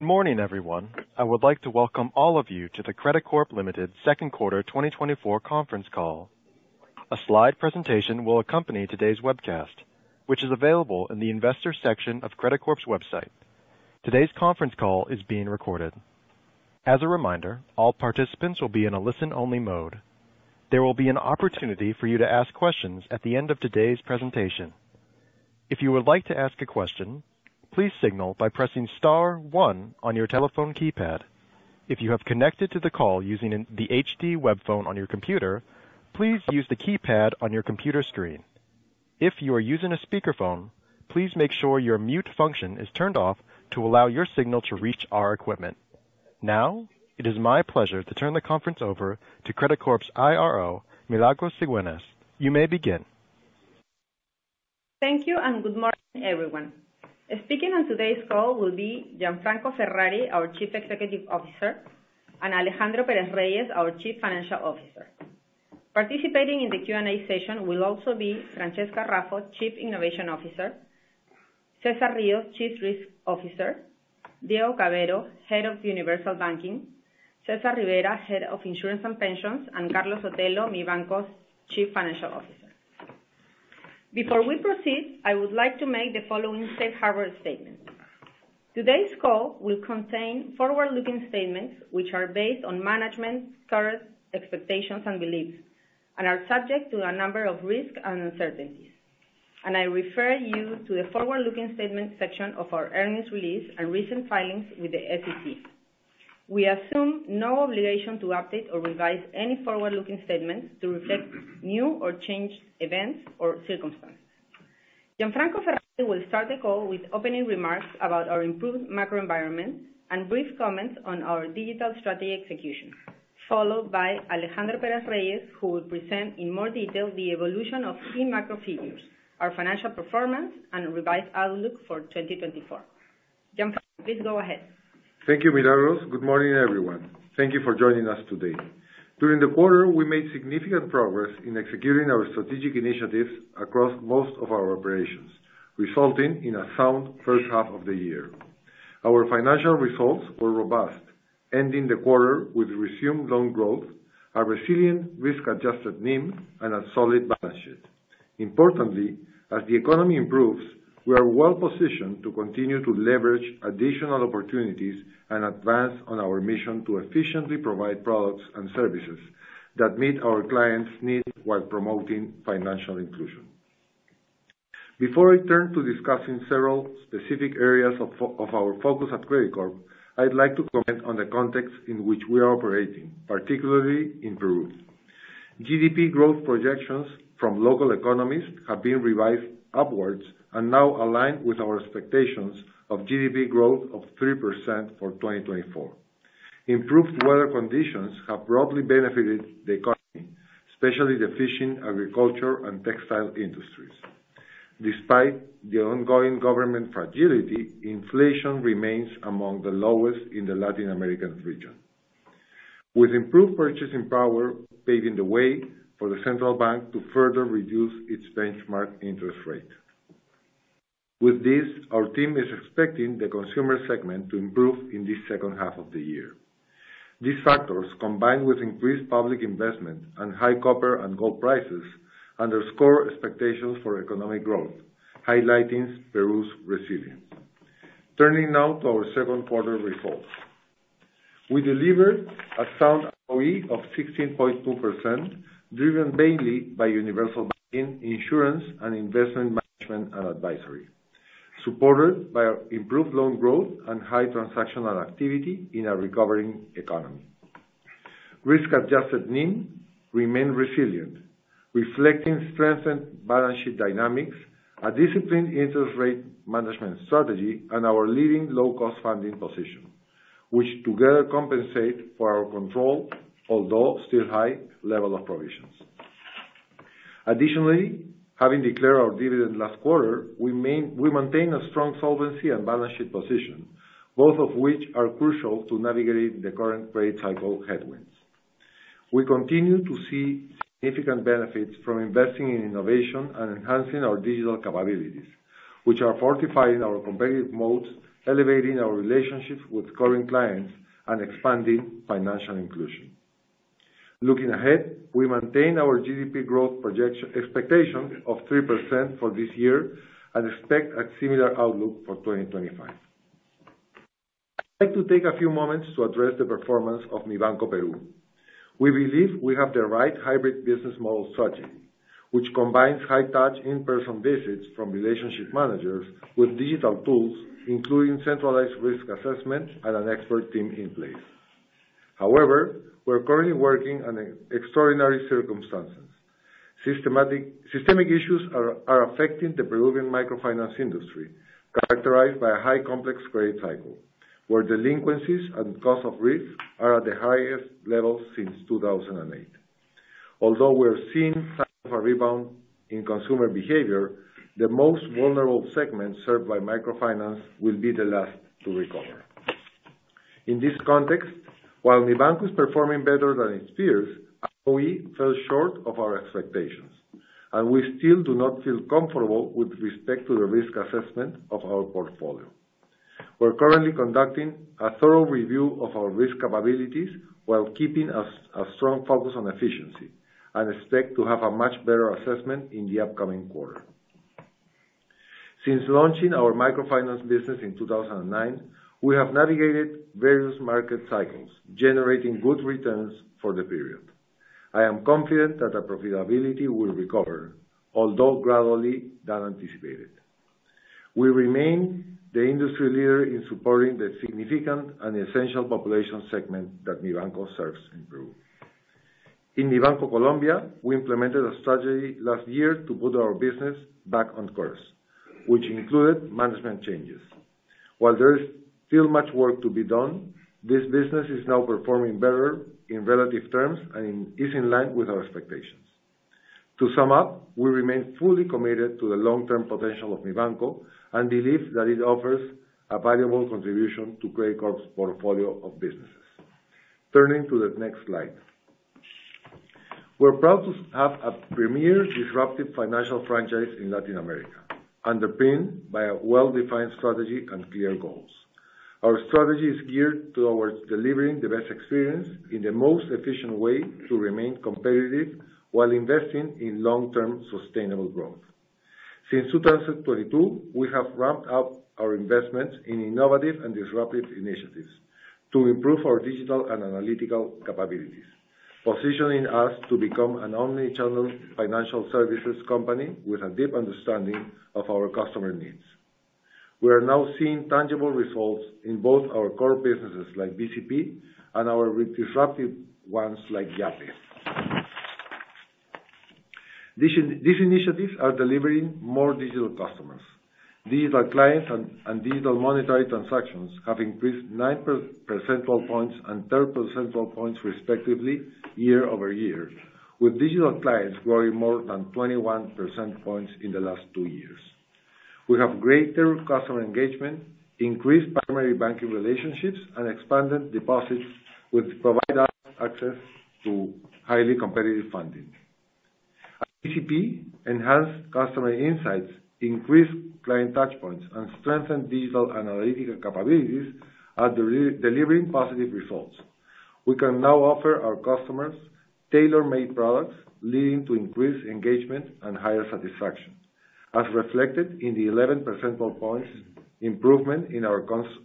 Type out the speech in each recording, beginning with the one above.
Good morning, everyone I would like to welcome all of you to the Credicorp Limited Second Quarter 2024 conference call. A slide presentation will accompany today's webcast, which is available in the Investors section of Credicorp's website. Today's conference call is being recorded. As a reminder, all participants will be in a listen-only mode. There will be an opportunity for you to ask questions at the end of today's presentation. If you would like to ask a question, please signal by pressing star one on your telephone keypad. If you have connected to the call using an HD web phone on your computer, please use the keypad on your computer screen. If you are using a speakerphone, please make sure your mute function is turned off to allow your signal to reach our equipment. Now, it is my pleasure to turn the conference over to Credicorp's IRO, Milagros Cigüeñas. You may begin. Thank you, and good morning, everyone. Speaking on today's call will be Gianfranco Ferrari, our Chief Executive Officer, and Alejandro Pérez-Reyes, our Chief Financial Officer. Participating in the Q&A session will also be Francesca Raffo, Chief Innovation Officer, César Ríos, Chief Risk Officer, Diego Cavero, Head of Universal Banking, César Rivera, Head of Insurance and Pensions, and Carlos Sotelo, Mibanco's Chief Financial Officer. Before we proceed, I would like to make the following safe harbor statement. Today's call will contain forward-looking statements, which are based on management's current expectations and beliefs and are subject to a number of risks and uncertainties, and I refer you to the forward-looking statements section of our earnings release and recent filings with the SEC. We assume no obligation to update or revise any forward-looking statements to reflect new or changed events or circumstances. Gianfranco Ferrari will start the call with opening remarks about our improved macro environment and brief comments on our digital strategy execution, followed by Alejandro Pérez-Reyes, who will present in more detail the evolution of key macro figures, our financial performance, and revised outlook for 2024. Gianfranco, please go ahead. Thank you, Milagros. Good morning, everyone. Thank you for joining us today. During the quarter, we made significant progress in executing our strategic initiatives across most of our operations, resulting in a sound first half of the year. Our financial results were robust, ending the quarter with resumed loan growth, a resilient risk-adjusted NIM, and a solid balance sheet. Importantly, as the economy improves, we are well positioned to continue to leverage additional opportunities and advance on our mission to efficiently provide products and services that meet our clients' needs while promoting financial inclusion. Before I turn to discussing several specific areas of of our focus at Credicorp, I'd like to comment on the context in which we are operating, particularly in Peru. GDP growth projections from local economies have been revised upwards and now align with our expectations of GDP growth of 3% for 2024.Improved weather conditions have broadly benefited the economy, especially the fishing, agriculture, and textile industries. Despite the ongoing government fragility, inflation remains among the lowest in the Latin American region, with improved purchasing power paving the way for the central bank to further reduce its benchmark interest rate. With this, our team is expecting the consumer segment to improve in the second half of the year. These factors, combined with increased public investment and high copper and gold prices, underscore expectations for economic growth, highlighting Peru's resilience. Turning now to our second quarter results. We delivered a sound ROE of 16.2%, driven mainly by Universal Banking Risk-adjusted NIM remained resilient, reflecting strengthened balance sheet dynamics, a disciplined interest rate management strategy, and our leading low-cost funding position, which together compensate for our controlled, although still high, level of provisions. Additionally, having declared our dividend last quarter, we maintain a strong solvency and balance sheet position, both of which are crucial to navigating the current credit cycle headwinds. We continue to see significant benefits from investing in innovation and enhancing our digital capabilities, which are fortifying our competitive modes, elevating our relationships with current clients, and expanding financial inclusion. Looking ahead, we maintain our GDP growth expectation of 3% for this year and expect a similar outlook for 2025. I'd like to take a few moments to address the performance of Mibanco Peru. We believe we have the right hybrid business model strategy, which combines high-touch, in-person visits from relationship managers with digital tools, including centralized risk assessments and an expert team in place. However, we're currently working under extraordinary circumstances. Systemic issues are affecting the Peruvian microfinance industry, characterized by a highly complex credit cycle, where delinquencies and cost of risk are at the highest levels since 2008. Although we're seeing signs of a rebound in consumer behavior, the most vulnerable segments served by microfinance will be the last to recover. In this context, while Mibanco is performing better than its peers, ROE fell short of our expectations, and we still do not feel comfortable with respect to the risk assessment of our portfolio. We're currently conducting a thorough review of our risk capabilities while keeping a strong focus on efficiency, and expect to have a much better assessment in the upcoming quarter. Since launching our microfinance business in 2009, we have navigated various market cycles, generating good returns for the period. I am confident that our profitability will recover, although gradually than anticipated. We remain the industry leader in supporting the significant and essential population segment that Mibanco serves in Peru. In Mibanco Colombia, we implemented a strategy last year to put our business back on course, which included management changes. While there is still much work to be done, this business is now performing better in relative terms and is in line with our expectations. To sum up, we remain fully committed to the long-term potential of Mibanco, and believe that it offers a valuable contribution to Credicorp's portfolio of businesses. Turning to the next slide. We're proud to have a premier disruptive financial franchise in Latin America, underpinned by a well-defined strategy and clear goals. Our strategy is geared towards delivering the best experience in the most efficient way to remain competitive, while investing in long-term sustainable growth. Since 2022, we have ramped up our investments in innovative and disruptive initiatives to improve our digital and analytical capabilities, positioning us to become an omnichannel financial services company with a deep understanding of our customer needs. We are now seeing tangible results in both our core businesses, like BCP, and our disruptive ones, like Yape. These initiatives are delivering more digital customers. Digital clients and digital monetary transactions have increased 9% points and 30% points, respectively, year-over-year, with digital clients growing more than 21% points in the last two years. We have greater customer engagement, increased primary banking relationships, and expanded deposits, which provide us access to highly competitive funding. At BCP, enhanced customer insights, increased client touchpoints, and strengthened digital analytical capabilities are delivering positive results. We can now offer our customers tailor-made products, leading to increased engagement and higher satisfaction, as reflected in the 11% points improvement in our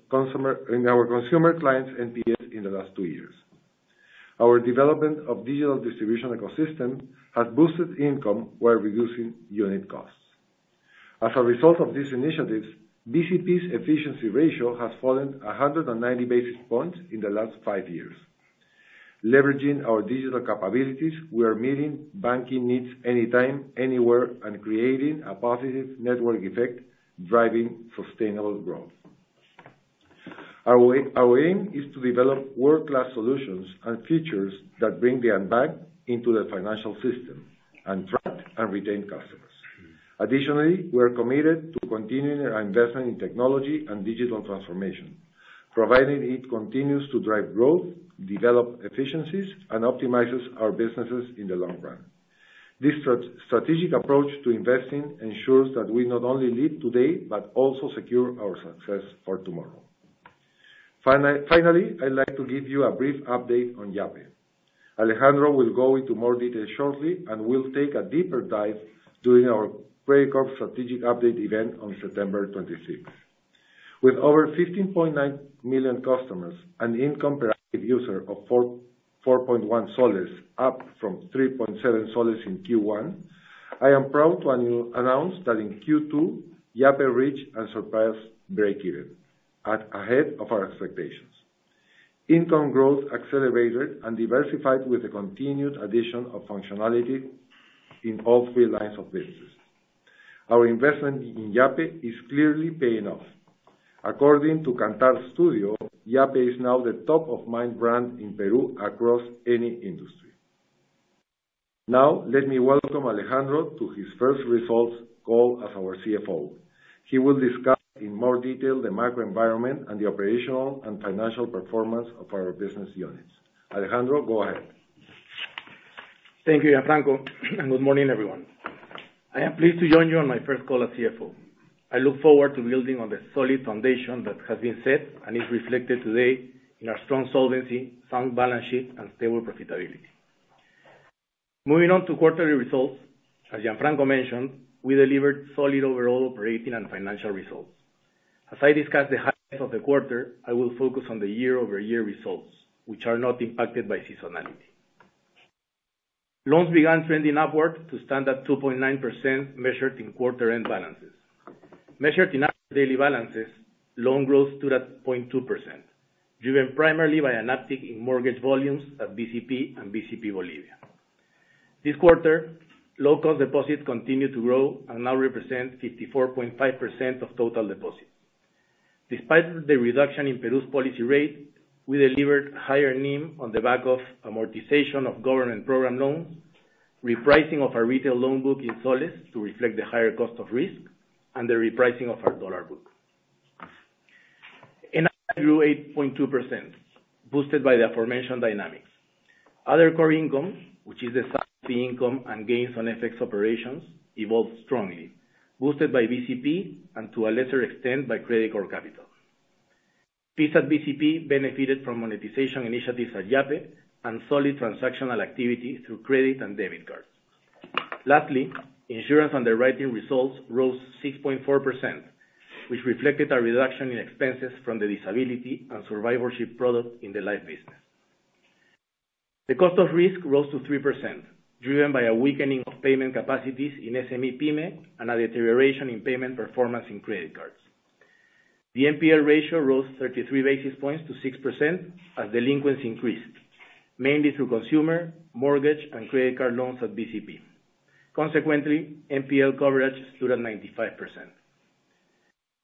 consumer clients NPS in the last two years. Our development of digital distribution ecosystem has boosted income while reducing unit costs. As a result of these initiatives, BCP's efficiency ratio has fallen 190 basis points in the last five years. Leveraging our digital capabilities, we are meeting banking needs anytime, anywhere, and creating a positive network effect, driving sustainable growth. Our aim is to develop world-class solutions and features that bring the unbanked into the financial system, attract, and retain customers. Additionally, we are committed to continuing our investment in technology and digital transformation, providing it continues to drive growth, develop efficiencies, and optimizes our businesses in the long run. This strategic approach to investing ensures that we not only lead today, but also secure our success for tomorrow. Finally, I'd like to give you a brief update on Yape. Alejandro will go into more detail shortly, and we'll take a deeper dive during our Credicorp strategic update event on September 26th. With over 15.9 million customers and income per active user of PEN 44.1, up from PEN 3.7 in Q1, I am proud to announce that in Q2, Yape reached and surpassed breakeven, ahead of our expectations. Income growth accelerated and diversified with the continued addition of functionality in all three lines of business. Our investment in Yape is clearly paying off. According to Kantar Studio, Yape is now the top-of-mind brand in Peru across any industry. Now, let me welcome Alejandro to his first results call as our CFO. He will discuss in more detail the macro environment and the operational and financial performance of our business units. Alejandro, go ahead. Thank you, Gianfranco, and good morning, everyone. I am pleased to join you on my first call as CFO. I look forward to building on the solid foundation that has been set and is reflected today in our strong solvency, sound balance sheet, and stable profitability. Moving on to quarterly results, as Gianfranco mentioned, we delivered solid overall operating and financial results. As I discuss the highlights of the quarter, I will focus on the year-over-year results, which are not impacted by seasonality. Loans began trending upward to stand at 2.9%, measured in quarter-end balances. Measured in our daily balances, loan growth stood at 0.2%, driven primarily by an uptick in mortgage volumes at BCP and BCP Bolivia. This quarter, low-cost deposits continued to grow and now represent 54.5% of total deposits. Despite the reduction in Peru's policy rate, we delivered higher NIM on the back of amortization of government program loans, repricing of our retail loan book in soles to reflect the higher cost of risk, and the repricing of our dollar book. NII grew 8.2%, boosted by the aforementioned dynamics. Other core income, which is the income and gains on FX operations, evolved strongly, boosted by BCP and to a lesser extent, by Credicorp Capital. Fees at BCP The NPL ratio rose 33 basis points to 6%, as delinquencies increased, mainly through consumer, mortgage, and credit card loans at BCP. Consequently, NPL coverage stood at 95%.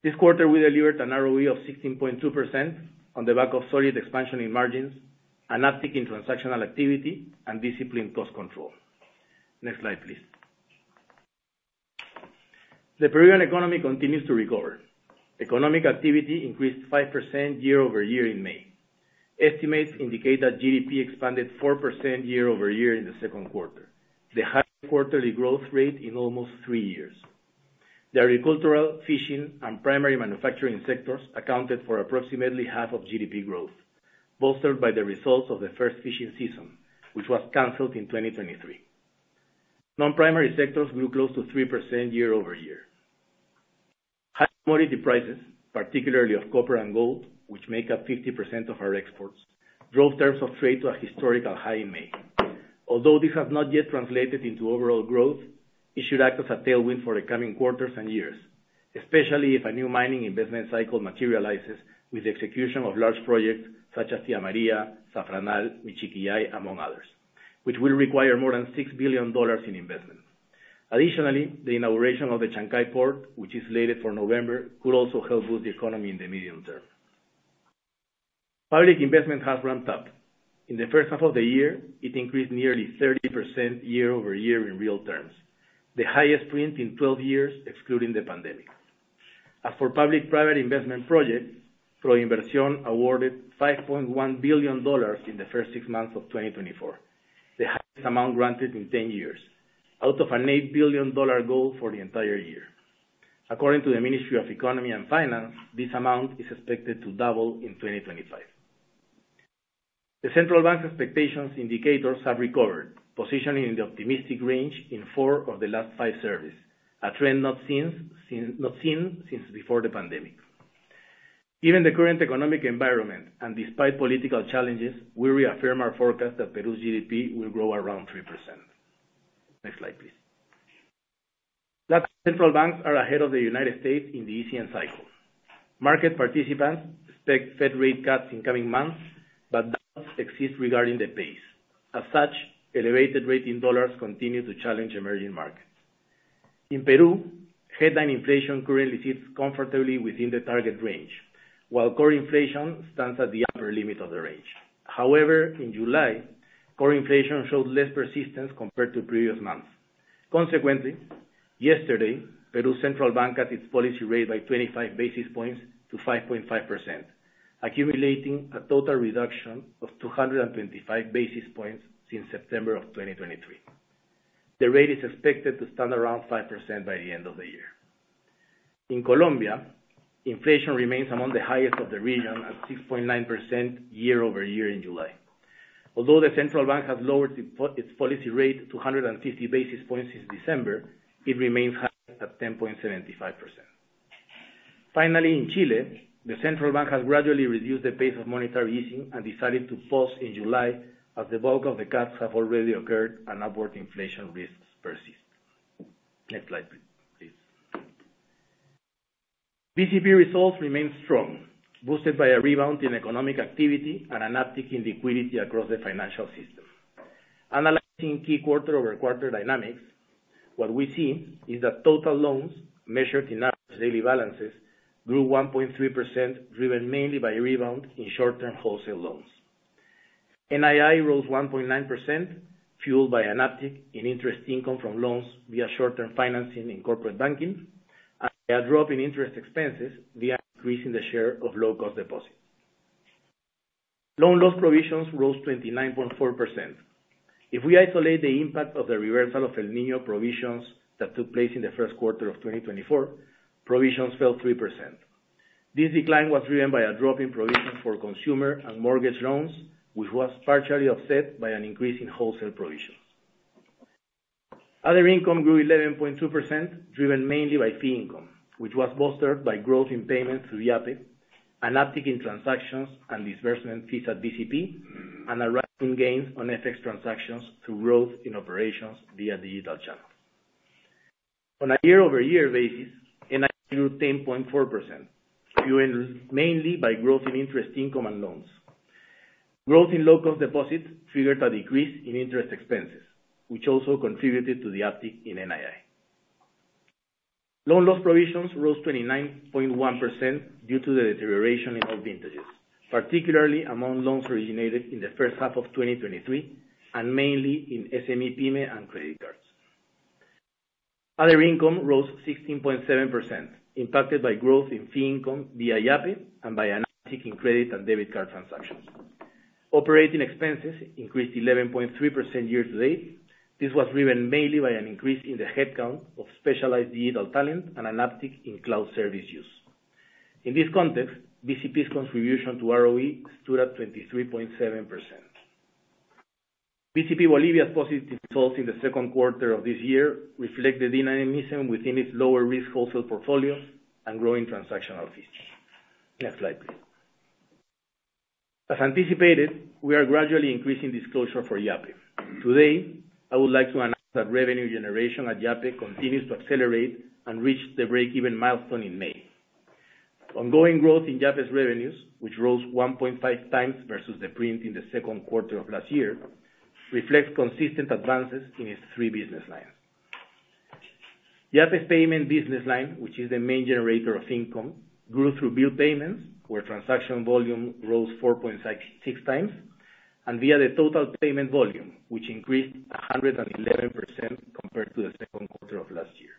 This quarter, we delivered an ROE of 16.2% on the back of solid expansion in margins, an uptick in transactional activity, and disciplined cost control. Next slide, please. The Peruvian economy continues to recover. Economic activity increased 5% year-over-year in May. Estimates indicate that GDP expanded 4% year-over-year in the second quarter, the highest quarterly growth rate in almost three years. The agricultural, fishing, and primary manufacturing sectors accounted for approximately half of GDP growth, bolstered by the results of the first fishing season, which was canceled in 2023. Non-primary sectors grew close to 3% year-over-year. High commodity prices, particularly of copper and gold, which make up 50% of our exports, drove terms of trade to a historical high in May. Although this has not yet translated into overall growth, it should act as a tailwind for the coming quarters and years, especially if a new mining investment cycle materializes with the execution of large projects such as Tía María, Zafranal, Michiquillay, among others, which will require more than $6 billion in investment. Additionally, the inauguration of the Chancay Port, which is slated for November, could also help boost the economy in the medium term. Public investment has ramped up. In the first half of the year, it increased nearly 30% year-over-year in real terms, the highest print in 12 years, excluding the pandemic. As for public-private investment projects, ProInversión awarded $5.1 billion in the first six months of 2024, the highest amount granted in 10 years, out of an $8 billion goal for the entire year. According to the Ministry of Economy and Finance, this amount is expected to double in 2025. The central bank expectations indicators have recovered, positioning in the optimistic range in four of the last five surveys, a trend not seen since before the pandemic. Given the current economic environment and despite political challenges, we reaffirm our forecast that Peru's GDP will grow around 3%. Next slide, please. Latin central banks are ahead of the United States in the easing cycle. Market participants expect Fed rate cuts in coming months, but doubts exist regarding the pace. As such, elevated rate in dollars continue to challenge emerging markets. In Peru, headline inflation currently sits comfortably within the target range, while core inflation stands at the upper limit of the range. However, in July, core inflation showed less persistence compared to previous months. Consequently, yesterday, Peru's central bank cut its policy rate by 25 basis points to 5.5%, accumulating a total reduction of 225 basis points since September 2023. The rate is expected to stand around 5% by the end of the year. In Colombia, inflation remains among the highest of the region, at 6.9% year-over-year in July. Although the central bank has lowered its policy rate to 150 basis points since December, it remains high at 10.75%. Finally, in Chile, the central bank has gradually reduced the pace of monetary easing and decided to pause in July, as the bulk of the cuts have already occurred and upward inflation risks persist. Next slide, please. BCP results remain strong, boosted by a rebound in economic activity and an uptick in liquidity across the financial system. Analyzing key quarter-over-quarter dynamics, what we see is that total loans measured in average daily balances grew 1.3%, driven mainly by a rebound in short-term wholesale loans. NII rose 1.9%, fueled by an uptick in interest income from loans via short-term financing in corporate banking, and a drop in interest expenses via increasing the share of low-cost deposits. Loan loss provisions rose 29.4%. If we isolate the impact of the reversal of El Niño provisions that took place in the first quarter of 2024, provisions fell 3%. This decline was driven by a drop in provisions for consumer and mortgage loans, which was partially offset by an increase in wholesale provisions. Other income grew 11.2%, driven mainly by fee income, which was bolstered by growth in payments through Yape, an uptick in transactions and disbursement fees at BCP, and a rise in gains on FX transactions through growth in operations via digital channels. On a year-over-year basis, NII grew 10.4%, driven mainly by growth in interest income and loans. Growth in low-cost deposits triggered a decrease in interest expenses, which also contributed to the uptick in NII. Loan loss provisions rose 29.1% due to the deterioration in all vintages, particularly among loans originated in the first half of 2023, and mainly in SME, Pyme, and credit cards. Other income rose 16.7%, impacted by growth in fee income via Yape and by an uptick in credit and debit card transactions. Operating expenses increased 11.3% year-to-date. This was driven mainly by an increase in the headcount of specialized digital talent and an uptick in cloud service use. In this context, BCP's contribution to ROE stood at 23.7%. BCP Bolivia's positive results in the second quarter of this year reflect the dynamism within its lower risk wholesale portfolios and growing transactional fees. Next slide, please. As anticipated, we are gradually increasing disclosure for Yape. Today, I would like to announce that revenue generation at Yape continues to accelerate and reach the breakeven milestone in May. Ongoing growth in Yape's revenues, which rose 1.5x versus the previous in the second quarter of last year, reflects consistent advances in its three business lines. Yape's payment business line, which is the main generator of income, grew through bill payments, where transaction volume rose 4.66x, and via the total payment volume, which increased 111% compared to the second quarter of last year.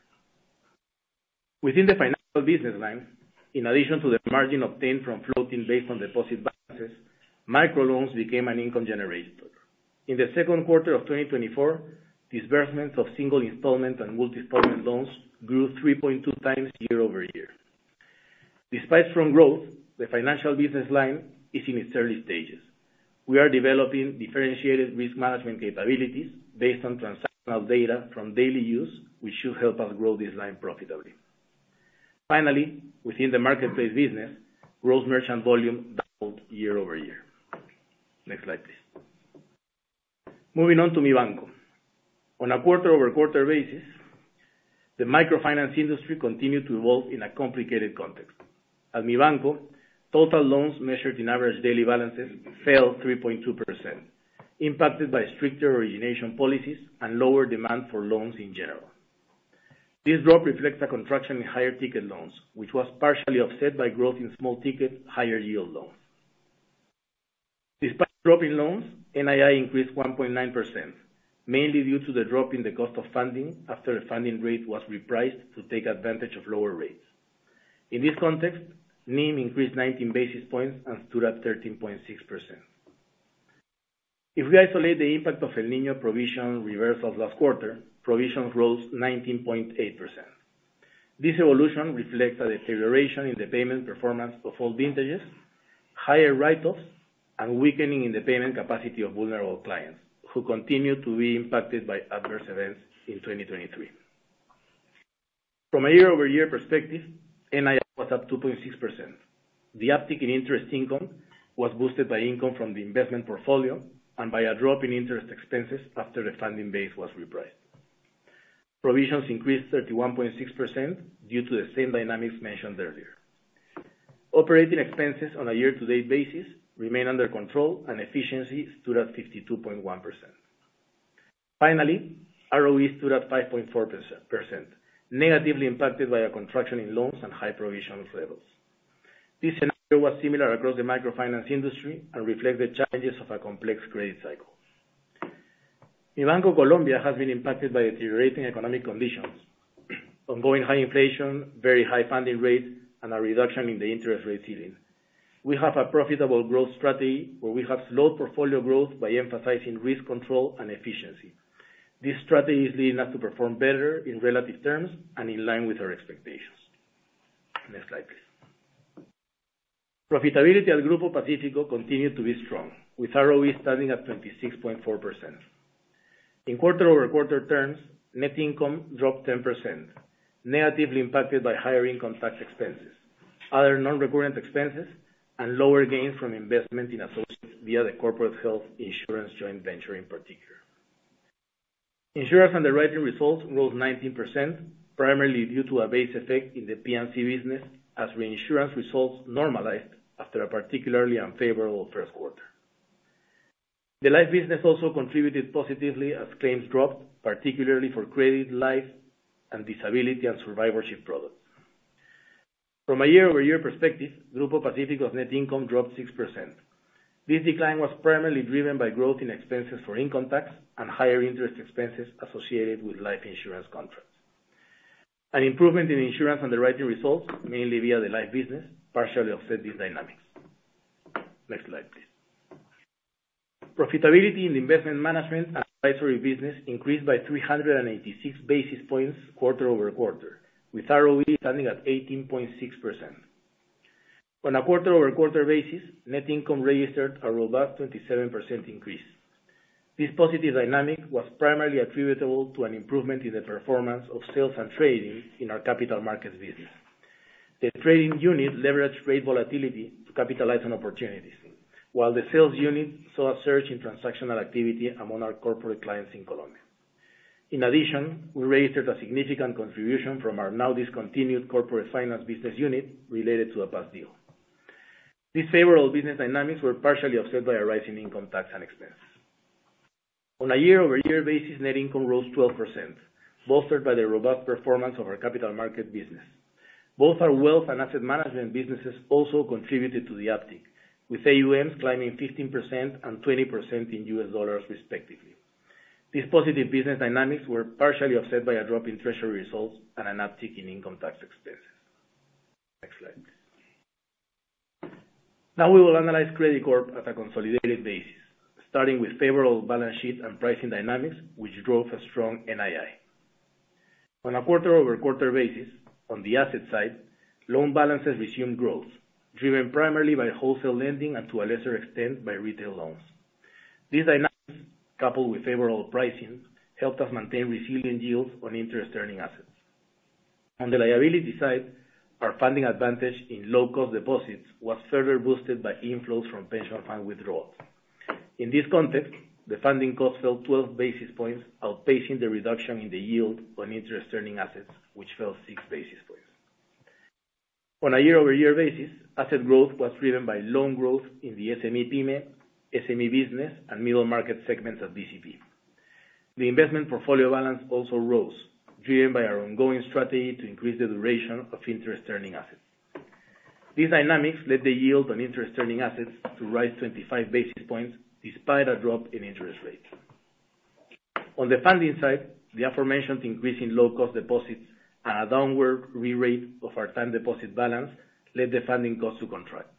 Within the financial business line, in addition to the margin obtained from floating based on deposit balances, microloans became an income generator. In the second quarter of 2024, disbursements of single installment and multi-installment loans grew 3.2x year-over-year. Despite strong growth, the financial business line is in its early stages. We are developing differentiated risk management capabilities based on transactional data from daily use, which should help us grow this line profitably. Finally, within the marketplace business, gross merchant volume doubled year-over-year. Next slide, please. Moving on to Mibanco. On a quarter-over-quarter basis, the microfinance industry continued to evolve in a complicated context. At Mibanco, total loans measured in average daily balances fell 3.2%, impacted by stricter origination policies and lower demand for loans in general. This drop reflects a contraction in higher ticket loans, which was partially offset by growth in small ticket, higher yield loans. Despite a drop in loans, NII increased 1.9%, mainly due to the drop in the cost of funding after the funding rate was repriced to take advantage of lower rates. In this context, NIM increased 19 basis points and stood at 13.6%. If we isolate the impact of El Niño provision reversal of last quarter, provisions rose 19.8%. This evolution reflects a deterioration in the payment performance of all vintages, higher write-offs, and weakening in the payment capacity of vulnerable clients, who continue to be impacted by adverse events in 2023. From a year-over-year perspective, NII was up 2.6%. The uptick in interest income was boosted by income from the investment portfolio and by a drop in interest expenses after the funding base was repriced. Provisions increased 31.6% due to the same dynamics mentioned earlier. Operating expenses on a year-to-date basis remain under control and efficiency stood at 52.1%. Finally, ROE stood at 5.4%, negatively impacted by a contraction in loans and high provision levels. This scenario was similar across the microfinance industry and reflects the challenges of a complex credit cycle. Mibanco Colombia has been impacted by deteriorating economic conditions, ongoing high inflation, very high funding rates, and a reduction in the interest rate ceiling. We have a profitable growth strategy, where we have slowed portfolio growth by emphasizing risk control and efficiency. This strategy is leading us to perform better in relative terms and in line with our expectations. Next slide, please. Profitability at Grupo Pacífico continued to be strong, with ROE standing at 26.4%. In quarter-over-quarter terms, net income dropped 10%, negatively impacted by higher income tax expenses, other non-recurrent expenses, and lower gains from investment in associates via the corporate health insurance joint venture, in particular. Insurance underwriting results rose 19%, primarily due to a base effect in the P&C business, as reinsurance results normalized after a particularly unfavorable first quarter. The life business also contributed positively as claims dropped, particularly for credit, life, and disability and survivorship products. From a year-over-year perspective, Grupo Pacífico's net income dropped 6%. This decline was primarily driven by growth in expenses for income tax and higher interest expenses associated with life insurance contracts. An improvement in insurance underwriting results, mainly via the life business, partially offset these dynamics. Next slide, please. Profitability in the investment management and advisory business increased by 386 basis points quarter-over-quarter, with ROE standing at 18.6%. On a quarter-over-quarter basis, net income registered a robust 27% increase. This positive dynamic was primarily attributable to an improvement in the performance of sales and trading in our capital markets business. The trading unit leveraged great volatility to capitalize on opportunities, while the sales unit saw a surge in transactional activity among our corporate clients in Colombia. In addition, we registered a significant contribution from our now-discontinued corporate finance business unit related to a past deal. These favorable business dynamics were partially offset by a rise in income tax and expense. On a year-over-year basis, net income rose 12%, bolstered by the robust performance of our capital market business.... Both our wealth and asset management businesses also contributed to the uptick, with AUMs climbing 15% and 20% in US dollars, respectively. These positive business dynamics were partially offset by a drop in treasury results and an uptick in income tax expenses. Next slide. Now we will analyze Credicorp on a consolidated basis, starting with favorable balance sheet and pricing dynamics, which drove a strong NII. On a quarter-over-quarter basis, on the asset side, loan balances resumed growth, driven primarily by wholesale lending and, to a lesser extent, by retail loans. These dynamics, coupled with favorable pricing, helped us maintain resilient yields on interest-earning assets. On the liability side, our funding advantage in low-cost deposits was further boosted by inflows from pension fund withdrawals. In this context, the funding cost fell 12 basis points, outpacing the reduction in the yield on interest-earning assets, which fell 6 basis points. On a year-over-year basis, asset growth was driven by loan growth in the SME PYME, SME-Business, and middle market segments of BCP. The investment portfolio balance also rose, driven by our ongoing strategy to increase the duration of interest-earning assets. These dynamics led the yield on interest-earning assets to rise 25 basis points despite a drop in interest rates. On the funding side, the aforementioned increase in low-cost deposits and a downward re-rate of our time deposit balance led the funding cost to contract.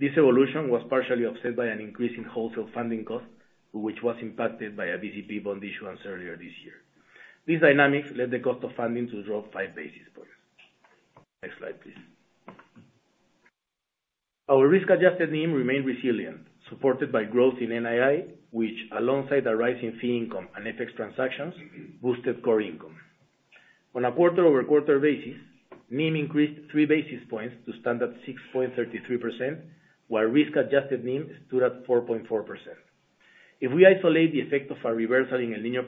This evolution was partially offset by an increase in wholesale funding costs, which was impacted by a BCP bond issuance earlier this year. These dynamics led the cost of funding to drop five basis points. Next slide, please. Our risk-adjusted NIM remained resilient, supported by growth in NII, which, alongside a rise in fee income and FX transactions, boosted core income. On a quarter-over-quarter basis, NIM increased three basis points to stand at 6.33%, while risk-adjusted NIM stood at 4.4%. If we isolate the effect of our reversal in El Niño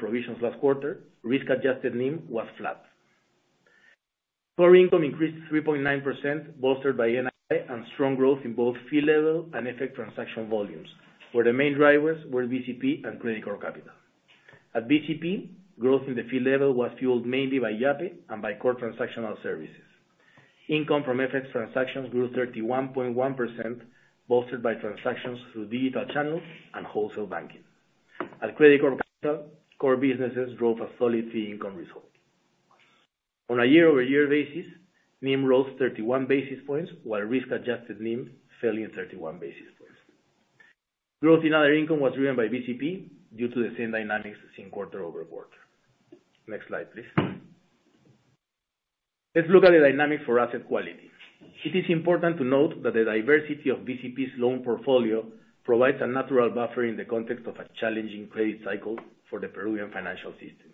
Core income increased 3.9%, bolstered by NII and strong growth in both fee level and FX transaction volumes, where the main drivers were BCP and Credicorp Capital. At BCP, growth in the fee level was fueled mainly by Yape and by core transactional services. Income from FX transactions grew 31.1%, bolstered by transactions through digital channels and wholesale banking. At Credicorp Capital, core businesses drove a solid fee income result. On a year-over-year basis, NIM rose 31 basis points, while risk-adjusted NIM fell in 31 basis points. Growth in other income was driven by BCP due to the same dynamics as in quarter-over-quarter. Next slide, please. Let's look at the dynamics for asset quality. It is important to note that the diversity of BCP's loan portfolio provides a natural buffer in the context of a challenging credit cycle for the Peruvian financial system.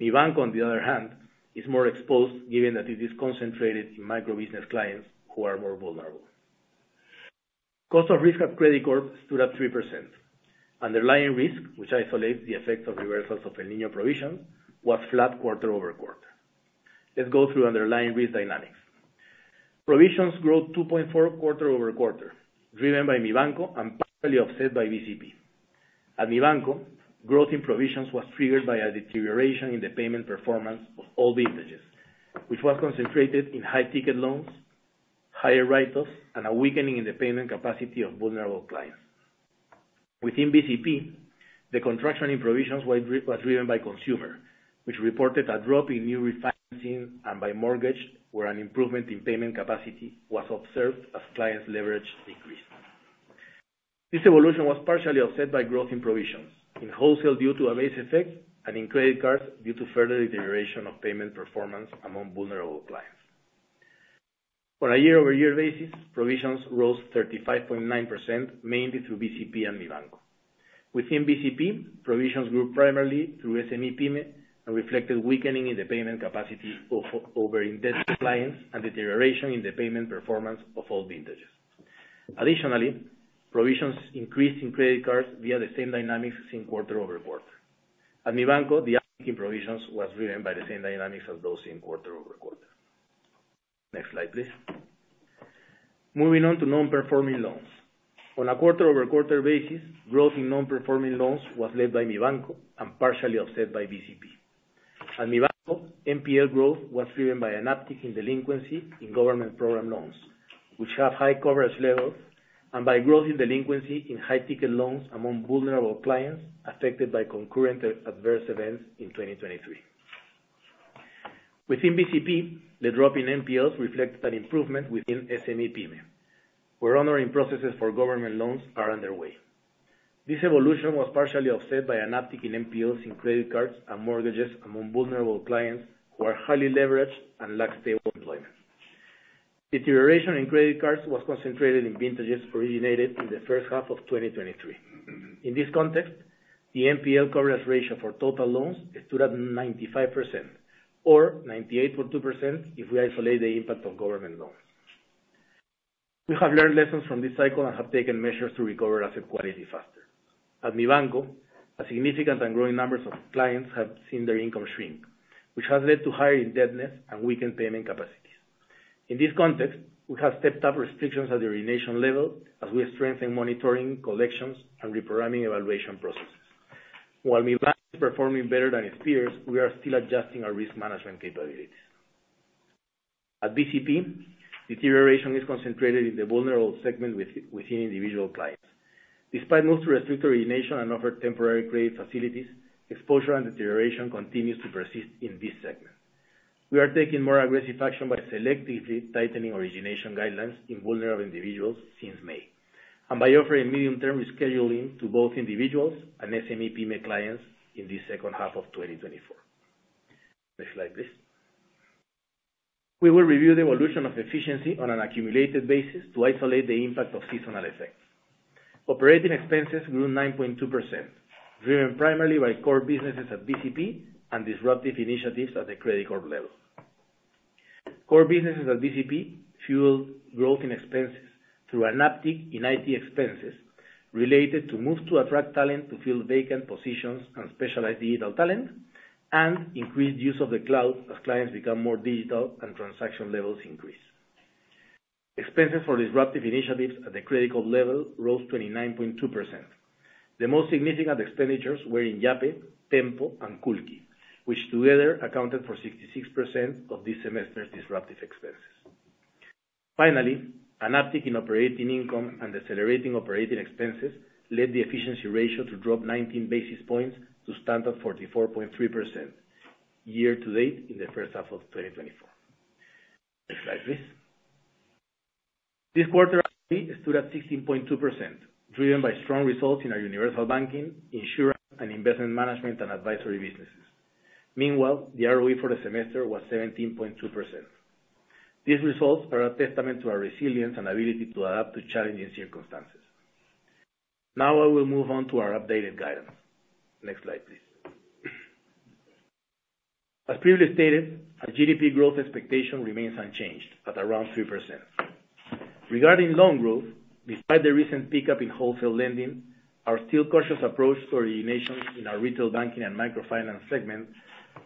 Mibanco, on the other hand, is more exposed, given that it is concentrated in micro-business clients who are more vulnerable. Cost of risk at Credicorp stood at 3%. Underlying risk, which isolates the effects of reversals of El Niño provisions, was flat quarter-over-quarter. Let's go through underlying risk dynamics. Provisions grew 2.4 quarter-over-quarter, driven by Mibanco and partially offset by BCP. At Mibanco, growth in provisions was triggered by a deterioration in the payment performance of all vintages, which was concentrated in high-ticket loans, higher write-offs, and a weakening in the payment capacity of vulnerable clients. Within BCP, the contraction in provisions was driven by consumer, which reported a drop in new refinancing and by mortgage, where an improvement in payment capacity was observed as clients' leverage decreased. This evolution was partially offset by growth in provisions, in wholesale due to a base effect, and in credit cards due to further deterioration of payment performance among vulnerable clients. On a year-over-year basis, provisions rose 35.9%, mainly through BCP and Mibanco. Within BCP, provisions grew primarily through SME PYME and reflected weakening in the payment capacity of over indebted clients and deterioration in the payment performance of all vintages. Additionally, provisions increased in credit cards via the same dynamics in quarter-over-quarter. At Mibanco, the uptick in provisions was driven by the same dynamics as those in quarter-over-quarter. Next slide, please. Moving on to non-performing loans. On a quarter-over-quarter basis, growth in non-performing loans was led by Mibanco and partially offset by BCP. At Mibanco, NPL growth was driven by an uptick in delinquency in government program loans, which have high coverage levels, and by growth in delinquency in high-ticket loans among vulnerable clients affected by concurrent adverse events in 2023. Within BCP, the drop in NPLs reflects an improvement within SME PYME, where honoring processes for government loans are underway. This evolution was partially offset by an uptick in NPLs in credit cards and mortgages among vulnerable clients who are highly leveraged and lack stable employment. Deterioration in credit cards was concentrated in vintages originated in the first half of 2023. In this context, the NPL coverage ratio for total loans stood at 95%, or 98.2%, if we isolate the impact of government loans. We have learned lessons from this cycle and have taken measures to recover asset quality faster. At Mibanco, a significant and growing numbers of clients have seen their income shrink, which has led to higher indebtedness and weakened payment capacities. In this context, we have stepped up restrictions at the origination level as we strengthen monitoring, collections, and reprogramming evaluation processes... while Mibanco is performing better than its peers, we are still adjusting our risk management capabilities. At BCP, deterioration is concentrated in the vulnerable segment within individual clients. Despite moves to restrict origination and offer temporary grade facilities, exposure and deterioration continues to persist in this segment. We are taking more aggressive action by selectively tightening origination guidelines in vulnerable individuals since May, and by offering medium-term rescheduling to both individuals and SME payment clients in the second half of 2024. Next slide, please. We will review the evolution of efficiency on an accumulated basis to isolate the impact of seasonal effects. Operating expenses grew 9.2%, driven primarily by core businesses at BCP and disruptive initiatives at the credit card level. Core businesses at BCP fueled growth in expenses through an uptick in IT expenses related to moves to attract talent to fill vacant positions and specialized digital talent, and increased use of the cloud as clients become more digital and transaction levels increase. Expenses for disruptive initiatives at the credit card level rose 29.2%. The most significant expenditures were in Yape, Tenpo, and Culqi, which together accounted for 66% of this semester's disruptive expenses. Finally, an uptick in operating income and accelerating operating expenses led the efficiency ratio to drop 19 basis points to stand at 44.3% year to date in the first half of 2024. Next slide, please. This quarter, ROE stood at 16.2%, driven by strong results in our universal banking, insurance, and investment management and advisory businesses. Meanwhile, the ROE for the semester was 17.2%. These results are a testament to our resilience and ability to adapt to challenging circumstances. Now, I will move on to our updated guidance. Next slide, please. As previously stated, our GDP growth expectation remains unchanged at around 3%. Regarding loan growth, despite the recent pickup in wholesale lending, our still cautious approach to origination in our retail banking and microfinance segment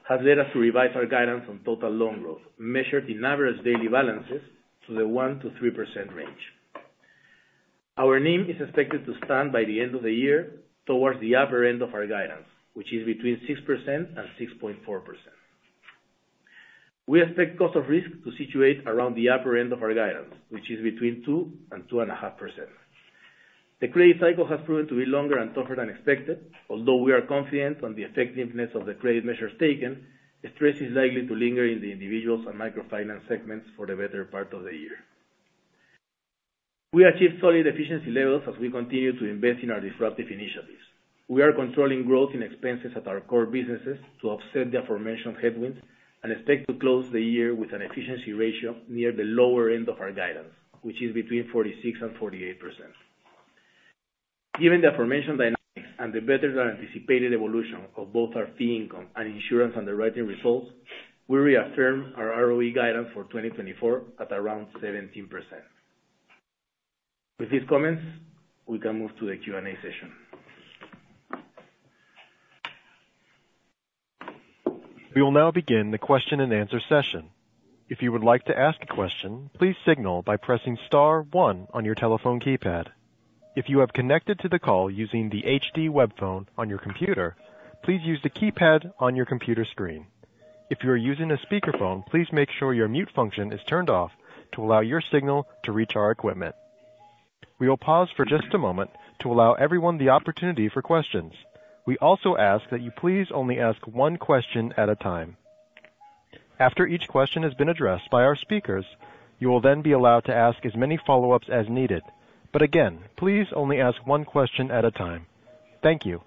has led us to revise our guidance on total loan growth, measured in average daily balances, to the 1%-3% range. Our NIM is expected to stand by the end of the year towards the upper end of our guidance, which is between 6% and 6.4%. We expect cost of risk to situate around the upper end of our guidance, which is between 2% and 2.5%. The credit cycle has proven to be longer and tougher than expected. Although we are confident on the effectiveness of the credit measures taken, the stress is likely to linger in the individuals and microfinance segments for the better part of the year. We achieved solid efficiency levels as we continue to invest in our disruptive initiatives. We are controlling growth in expenses at our core businesses to offset the aforementioned headwinds, and expect to close the year with an efficiency ratio near the lower end of our guidance, which is between 46% and 48%. Given the aforementioned dynamics and the better than anticipated evolution of both our fee income and insurance underwriting results, we reaffirm our ROE guidance for 2024 at around 17%. With these comments, we can move to the Q&A session. We will now begin the question-and-answer session. If you would like to ask a question, please signal by pressing star one on your telephone keypad. If you have connected to the call using the HD web phone on your computer, please use the keypad on your computer screen. If you are using a speakerphone, please make sure your mute function is turned off to allow your signal to reach our equipment. We will pause for just a moment to allow everyone the opportunity for questions. We also ask that you please only ask one question at a time. After each question has been addressed by our speakers, you will then be allowed to ask as many follow-ups as needed. But again, please only ask one question at a time. Thank you.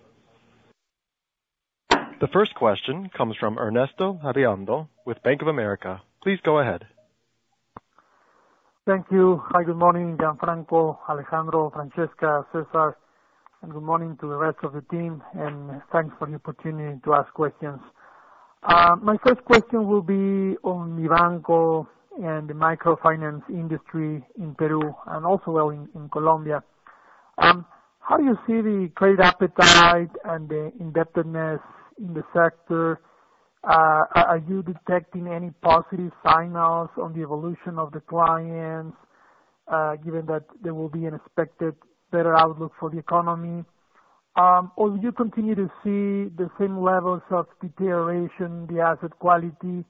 The first question comes from Ernesto Gabilondo with Bank of America. Please go ahead. Thank you. Hi, good morning, Gianfranco, Alejandro, Francesca, César, and good morning to the rest of the team, and thanks for the opportunity to ask questions. My first question will be on Mibanco and the microfinance industry in Peru and also, well, in Colombia. How do you see the credit appetite and the indebtedness in the sector? Are you detecting any positive signals on the evolution of the clients, given that there will be an expected better outlook for the economy? Or do you continue to see the same levels of deterioration, the asset quality?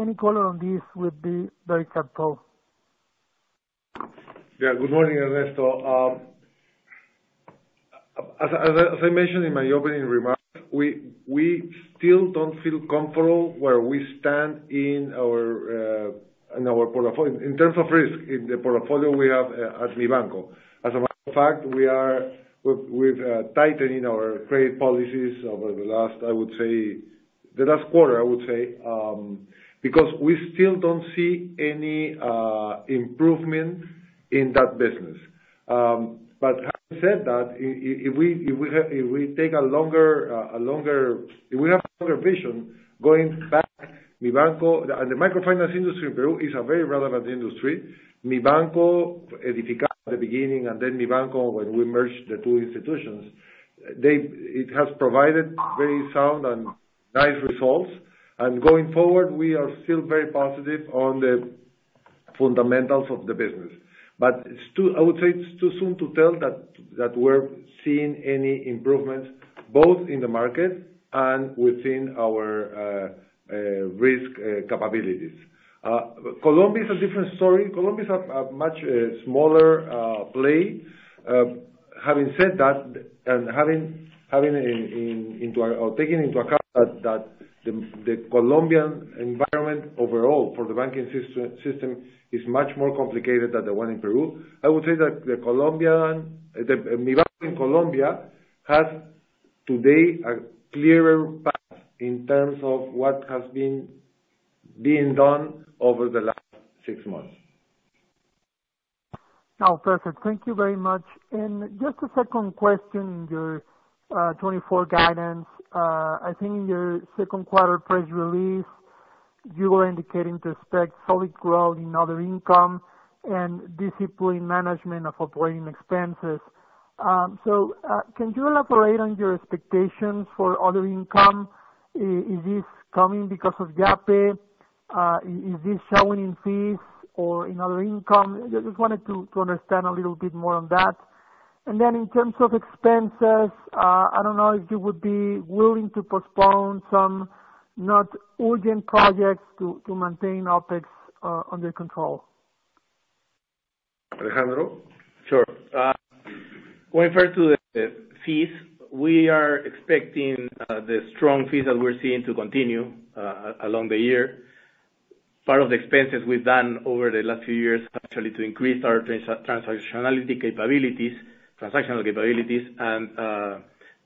Any color on this would be very helpful. Yeah. Good morning, Ernesto. As I mentioned in my opening remarks, we still don't feel comfortable where we stand in our portfolio in terms of risk in the portfolio we have as Mibanco. As a matter of fact, we've been tightening our credit policies over the last quarter, I would say, because we still don't see any improvement in that business. But having said that, if we take a longer vision, going back, Mibanco and the microfinance industry in Peru is a very relevant industry. Mibanco, Edifica at the beginning, and then Mibanco, when we merged the two institutions, it has provided very sound and nice results. Going forward, we are still very positive on the-... fundamentals of the business. But it's too, I would say it's too soon to tell that, that we're seeing any improvements, both in the market and within our risk capabilities. Colombia is a different story. Colombia is a much smaller play. Having said that, and taking into account that the Colombian environment overall for the banking system is much more complicated than the one in Peru, I would say that the Colombian Mibanco in Colombia has today a clearer path in terms of what has been being done over the last six months. Oh, perfect. Thank you very much. Just a second question, your 2024 guidance. I think in your second quarter press release, you were indicating to expect solid growth in other income and disciplined management of operating expenses. So, can you elaborate on your expectations for other income? Is this coming because of Yape? Is this showing in fees or in other income? I just wanted to understand a little bit more on that. And then in terms of expenses, I don't know if you would be willing to postpone some not urgent projects to maintain OpEx under control. Alejandro? Sure. When it refers to the fees, we are expecting the strong fees that we're seeing to continue along the year. Part of the expenses we've done over the last few years, actually, to increase our transactionality capabilities, transactional capabilities, and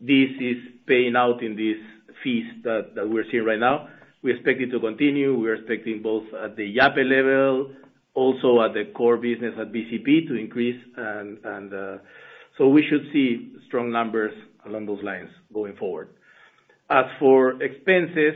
this is paying out in these fees that we're seeing right now. We expect it to continue. We're expecting both at the Yape level, also at the core business at BCP to increase. And so we should see strong numbers along those lines going forward. As for expenses,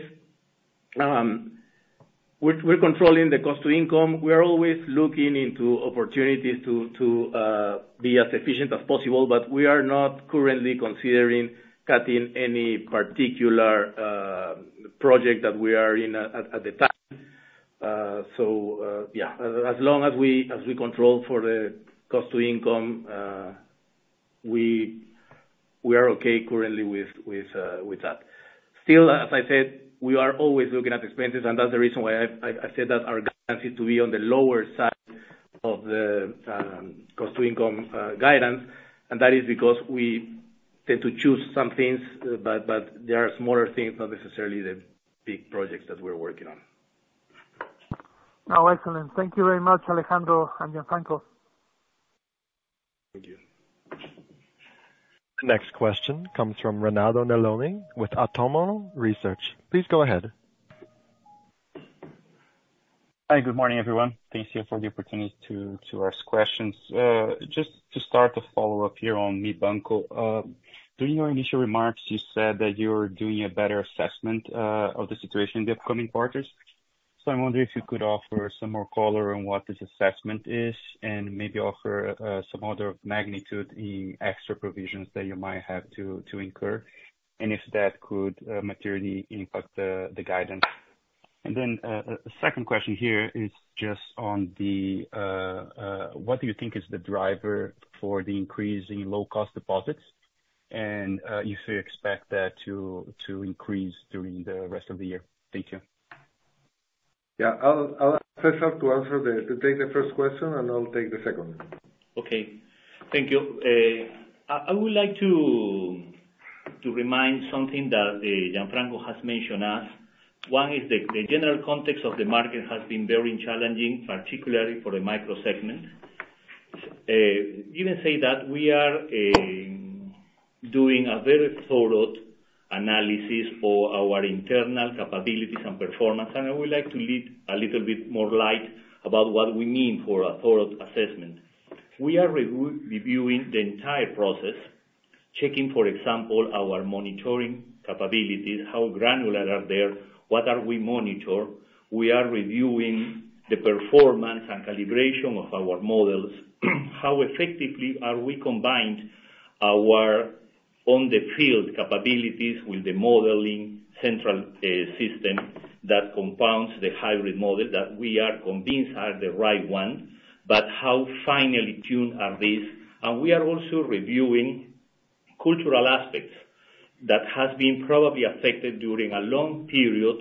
we're controlling the cost to income. We are always looking into opportunities to be as efficient as possible, but we are not currently considering cutting any particular project that we are in at the time. So, yeah, as long as we control for the cost to income, we are okay currently with that. Still, as I said, we are always looking at expenses, and that's the reason why I said that our guidance is to be on the lower side of the cost to income guidance, and that is because we tend to choose some things, but they are smaller things, not necessarily the big projects that we're working on. Oh, excellent. Thank you very much, Alejandro and Gianfranco. Thank you. The next question comes from Renato Meloni with Atomo Research. Please go ahead. Hi, good morning, everyone. Thank you for the opportunity to ask questions. Just to start a follow-up here on Mibanco, during your initial remarks, you said that you're doing a better assessment of the situation in the upcoming quarters. So I wonder if you could offer some more color on what this assessment is, and maybe offer some order of magnitude in extra provisions that you might have to incur, and if that could materially impact the guidance? And then, the second question here is just on the, what do you think is the driver for the increase in low-cost deposits? And, if you expect that to increase during the rest of the year? Thank you. Yeah, I'll ask César to take the first question, and I'll take the second one. Okay. Thank you. I would like to remind something that Gianfranco has mentioned us. One is the general context of the market has been very challenging, particularly for the micro segment. Given, say, that we are doing a very thorough analysis for our internal capabilities and performance, and I would like to lead a little bit more light about what we mean for a thorough assessment. We are reviewing the entire process, checking, for example, our monitoring capabilities, how granular are they, what are we monitor? We are reviewing the performance and calibration of our models. How effectively are we combined our on-the-field capabilities with the modeling central system that compounds the hybrid model that we are convinced are the right one, but how finely tuned are these? We are also reviewing cultural aspects that has been probably affected during a long period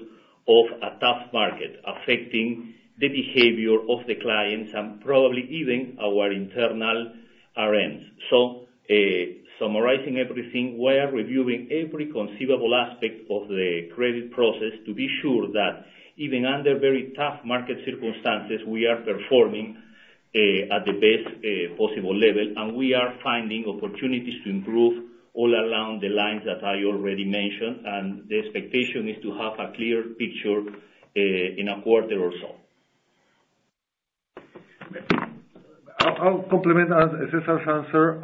of a tough market, affecting the behavior of the clients and probably even our internal RNs. Summarizing everything, we are reviewing every conceivable aspect of the credit process to be sure that even under very tough market circumstances, we are performing at the best possible level, and we are finding opportunities to improve all along the lines that I already mentioned. The expectation is to have a clear picture in a quarter or so. I'll complement César's answer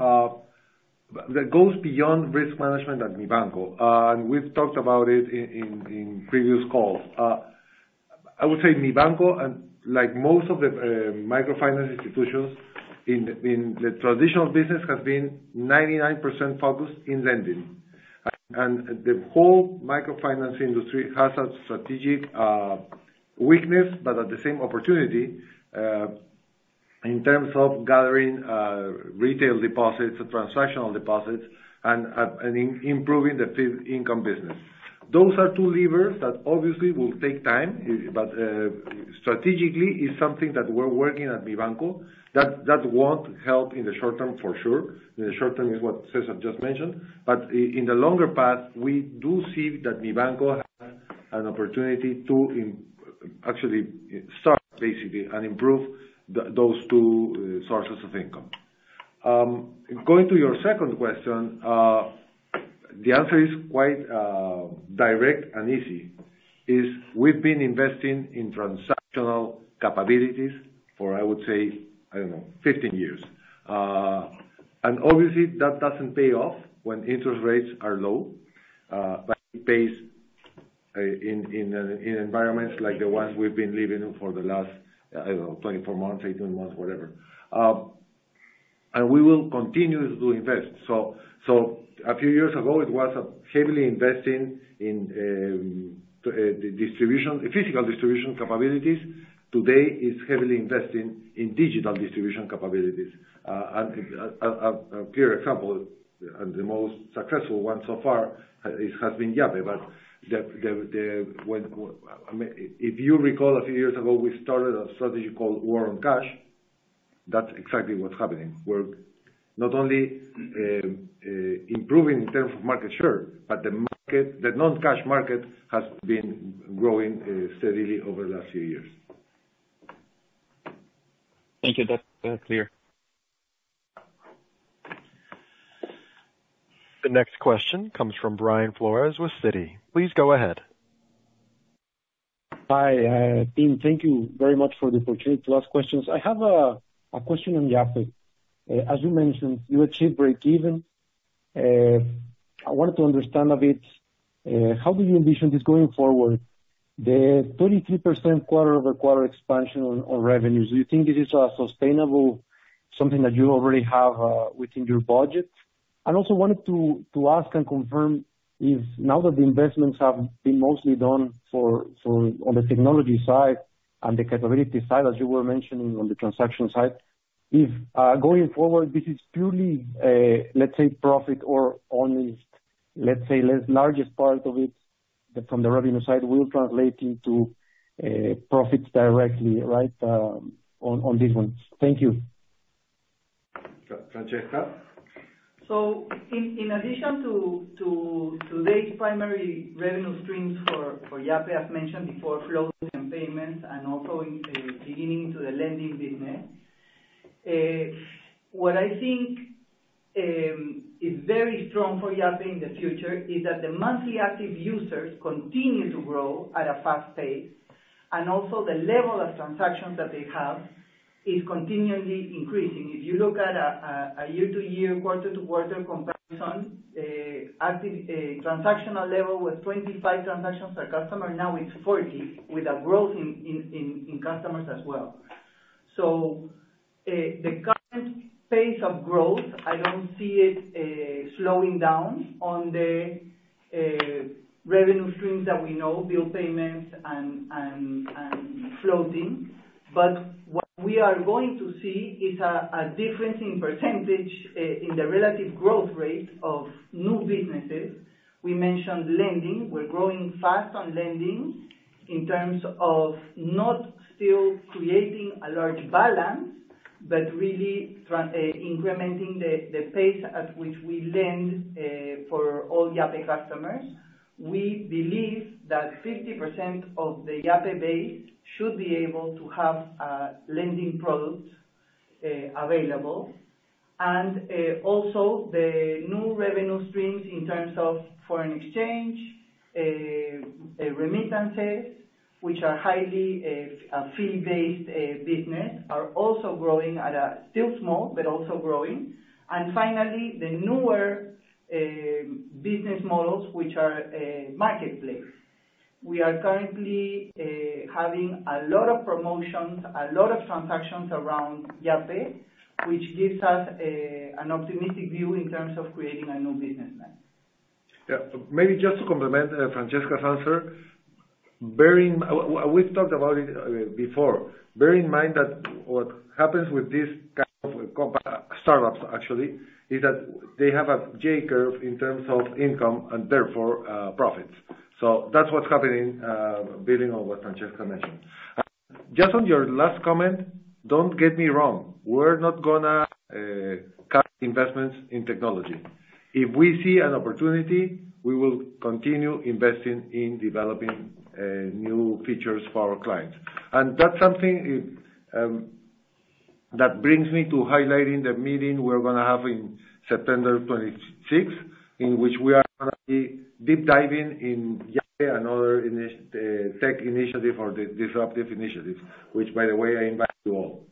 that goes beyond risk management at Mibanco, and we've talked about it in previous calls. I would say Mibanco and like most of the microfinance institutions in the traditional business has been 99% focused in lending. The whole microfinance industry has a strategic weakness, but at the same opportunity, in terms of gathering retail deposits, transactional deposits, and improving the fee income business. Those are two levers that obviously will take time, but strategically, is something that we're working at Mibanco. That won't help in the short term for sure. In the short term, is what César just mentioned, but in the longer path, we do see that Mibanco has an opportunity to actually start basically, and improve those two sources of income. Going to your second question, the answer is quite direct and easy, is we've been investing in transactional capabilities for, I would say, I don't know, 15 years. And obviously, that doesn't pay off when interest rates are low, but it pays in environments like the ones we've been living for the last, I don't know, 24 months, 18 months, whatever. And we will continue to invest. So a few years ago, it was heavily investing in the distribution, the physical distribution capabilities. Today, is heavily investing in digital distribution capabilities. A clear example, and the most successful one so far, it has been Yape. But I mean, if you recall, a few years ago, we started a strategy called War on Cash. That's exactly what's happening. We're not only improving in terms of market share, but the market, the non-cash market, has been growing steadily over the last few years. Thank you. That's clear. The next question comes from Brian Flores with Citi. Please go ahead. Hi, team. Thank you very much for the opportunity to ask questions. I have a question on Yape. As you mentioned, you achieved breakeven. I wanted to understand a bit, how do you envision this going forward? The 33% quarter-over-quarter expansion on revenues, do you think this is sustainable, something that you already have within your budget? And also wanted to ask and confirm, if now that the investments have been mostly done for on the technology side and the capability side, as you were mentioning on the transaction side, if going forward, this is purely, let's say, profit or only, let's say, largest part of it, that from the revenue side, will translate into profits directly, right? On this one. Thank you. Fra- Francesca? So in addition to today's primary revenue streams for Yape, as mentioned before, flows and payments, and also beginning to the lending business, what I think is very strong for Yape in the future is that the monthly active users continue to grow at a fast pace, and also the level of transactions that they have is continually increasing. If you look at a year-to-year, quarter-to-quarter comparison, active transactional level was 25 transactions per customer, now it's 40, with a growth in customers as well. So, the current pace of growth, I don't see it slowing down on the revenue streams that we know, bill payments and floating. But what we are going to see is a difference in percentage in the relative growth rate of new businesses. We mentioned lending. We're growing fast on lending, in terms of not still creating a large balance, but really incrementing the pace at which we lend for all Yape customers. We believe that 50% of the Yape base should be able to have lending products available. Also, the new revenue streams in terms of foreign exchange remittances, which are highly a fee-based business, are also growing at a still small, but also growing. And finally, the newer business models, which are marketplace. We are currently having a lot of promotions, a lot of transactions around Yape, which gives us an optimistic view in terms of creating a new business line. Yeah. Maybe just to complement, Francesca's answer, bear in mind we've talked about it before. Bear in mind that what happens with this kind of comparable startups, actually, is that they have a J curve in terms of income, and therefore, profits. So that's what's happening, building on what Francesca mentioned. Just on your last comment, don't get me wrong, we're not gonna cut investments in technology. If we see an opportunity, we will continue investing in developing new features for our clients. And that's something that brings me to highlighting the meeting we're gonna have in September 26th, in which we are gonna be deep diving in Yape, another tech initiative or the disruptive initiative, which, by the way, I invite you all.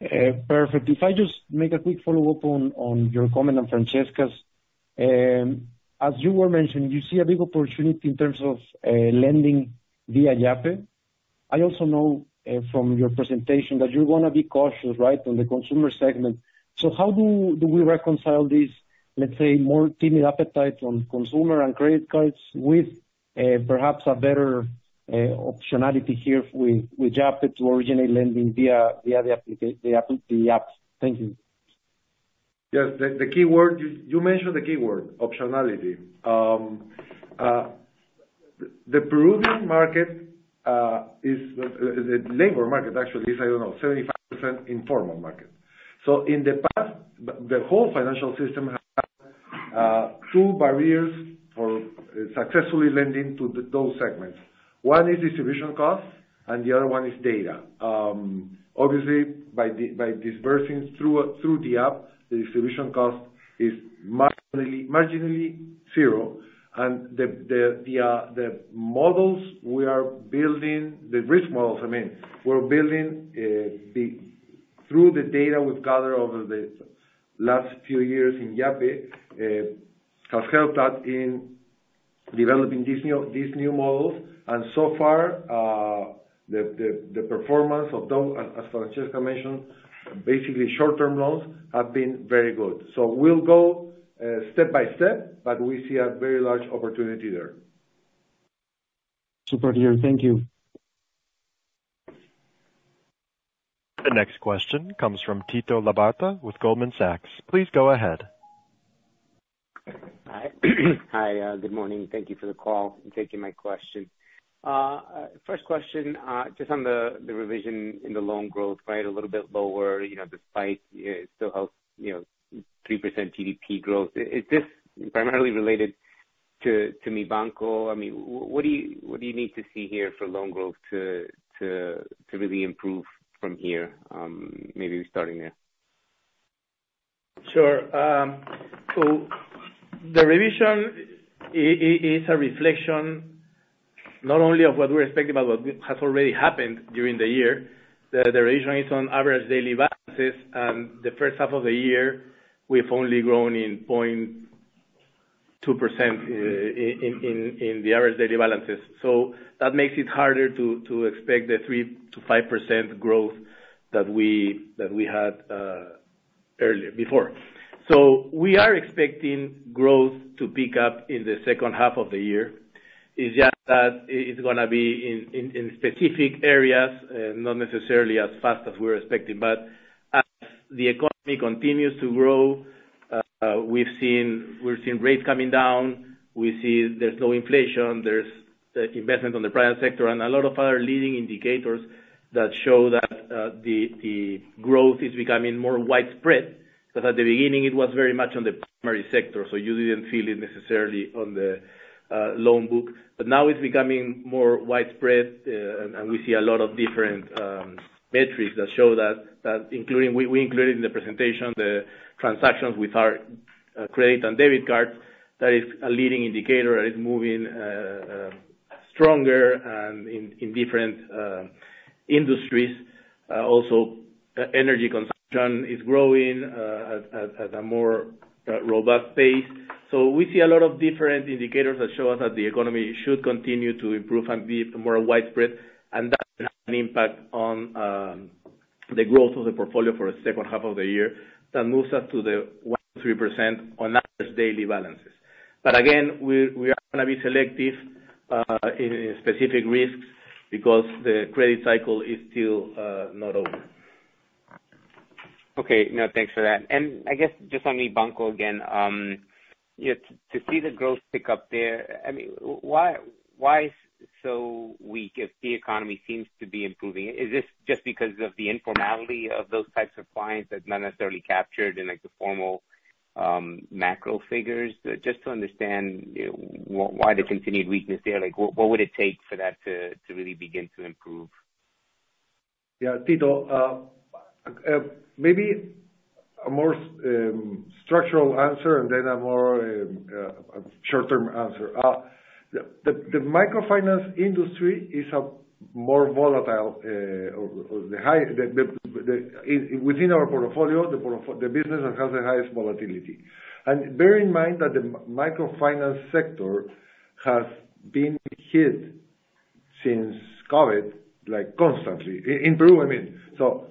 Perfect. If I just make a quick follow-up on, on your comment on Francesca's. As you were mentioning, you see a big opportunity in terms of, lending via Yape?... I also know, from your presentation that you're gonna be cautious, right? On the consumer segment. So how do we reconcile this, let's say, more timid appetite on consumer and credit cards with, perhaps a better optionality here with Yape to originate lending via the app, the apps? Thank you. Yes, the key word, you mentioned the key word: optionality. The Peruvian market is the labor market actually is, I don't know, 75% informal market. So in the past, the whole financial system has two barriers for successfully lending to those segments. One is distribution costs, and the other one is data. Obviously, by disbursing through the app, the distribution cost is marginally zero. And the models we are building, the risk models, I mean, we're building through the data we've gathered over the last few years in Yape has helped us in developing these new models, and so far, the performance of those, as Francesca mentioned, basically short-term loans, have been very good. So we'll go step by step, but we see a very large opportunity there. Super clear. Thank you. The next question comes from Tito Labarta with Goldman Sachs. Please go ahead. Hi. Hi, good morning. Thank you for the call, and taking my question. First question, just on the revision in the loan growth, right? A little bit lower, you know, despite still have, you know, 3% GDP growth. Is this primarily related to Mibanco? I mean, what do you need to see here for loan growth to really improve from here? Maybe starting there. Sure. So the revision is a reflection not only of what we're expecting, but what has already happened during the year. The reason is on average daily balances, and the first half of the year, we've only grown 0.2% in the average daily balances. So that makes it harder to expect the 3%-5% growth that we had earlier, before. So we are expecting growth to pick up in the second half of the year. It's just that it's gonna be in specific areas, not necessarily as fast as we're expecting. But as the economy continues to grow, we've seen, we've seen rates coming down, we see there's low inflation, there's investment on the private sector, and a lot of other leading indicators that show that the growth is becoming more widespread. Because at the beginning, it was very much on the primary sector, so you didn't feel it necessarily on the loan book. But now it's becoming more widespread, and we see a lot of different metrics that show that, including—we included in the presentation, the transactions with our credit and debit card. That is a leading indicator, it's moving stronger and in different industries. Also, energy consumption is growing at a more robust pace. So we see a lot of different indicators that show us that the economy should continue to improve and be more widespread, and that will have an impact on the growth of the portfolio for the second half of the year. That moves us to the 1%-3% on average daily balances. But again, we, we are gonna be selective in specific risks, because the credit cycle is still not over. Okay. No, thanks for that. And I guess just on Mibanco again, you know, to see the growth pick up there, I mean, why, why is it so weak if the economy seems to be improving? Is this just because of the informality of those types of clients that's not necessarily captured in, like, the formal, macro figures? Just to understand, why the continued weakness there, like, what, what would it take for that to really begin to improve? Yeah, Tito, maybe a more structural answer, and then a more short-term answer. The microfinance industry is a more volatile, or the highest within our portfolio, the business that has the highest volatility. And bear in mind that the microfinance sector has been hit since COVID, like, constantly, in Peru, I mean. So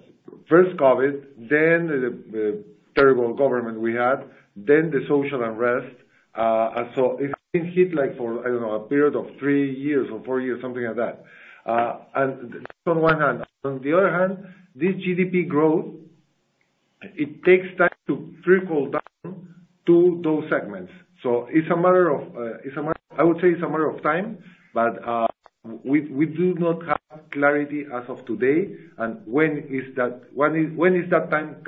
first COVID, then the terrible government we had, then the social unrest. And so it's been hit, like, for, I don't know, a period of three years or four years, something like that. And that's on one hand. On the other hand, this GDP growth, it takes time to trickle down to those segments. So it's a matter of time, but we do not have clarity as of today, and when is that time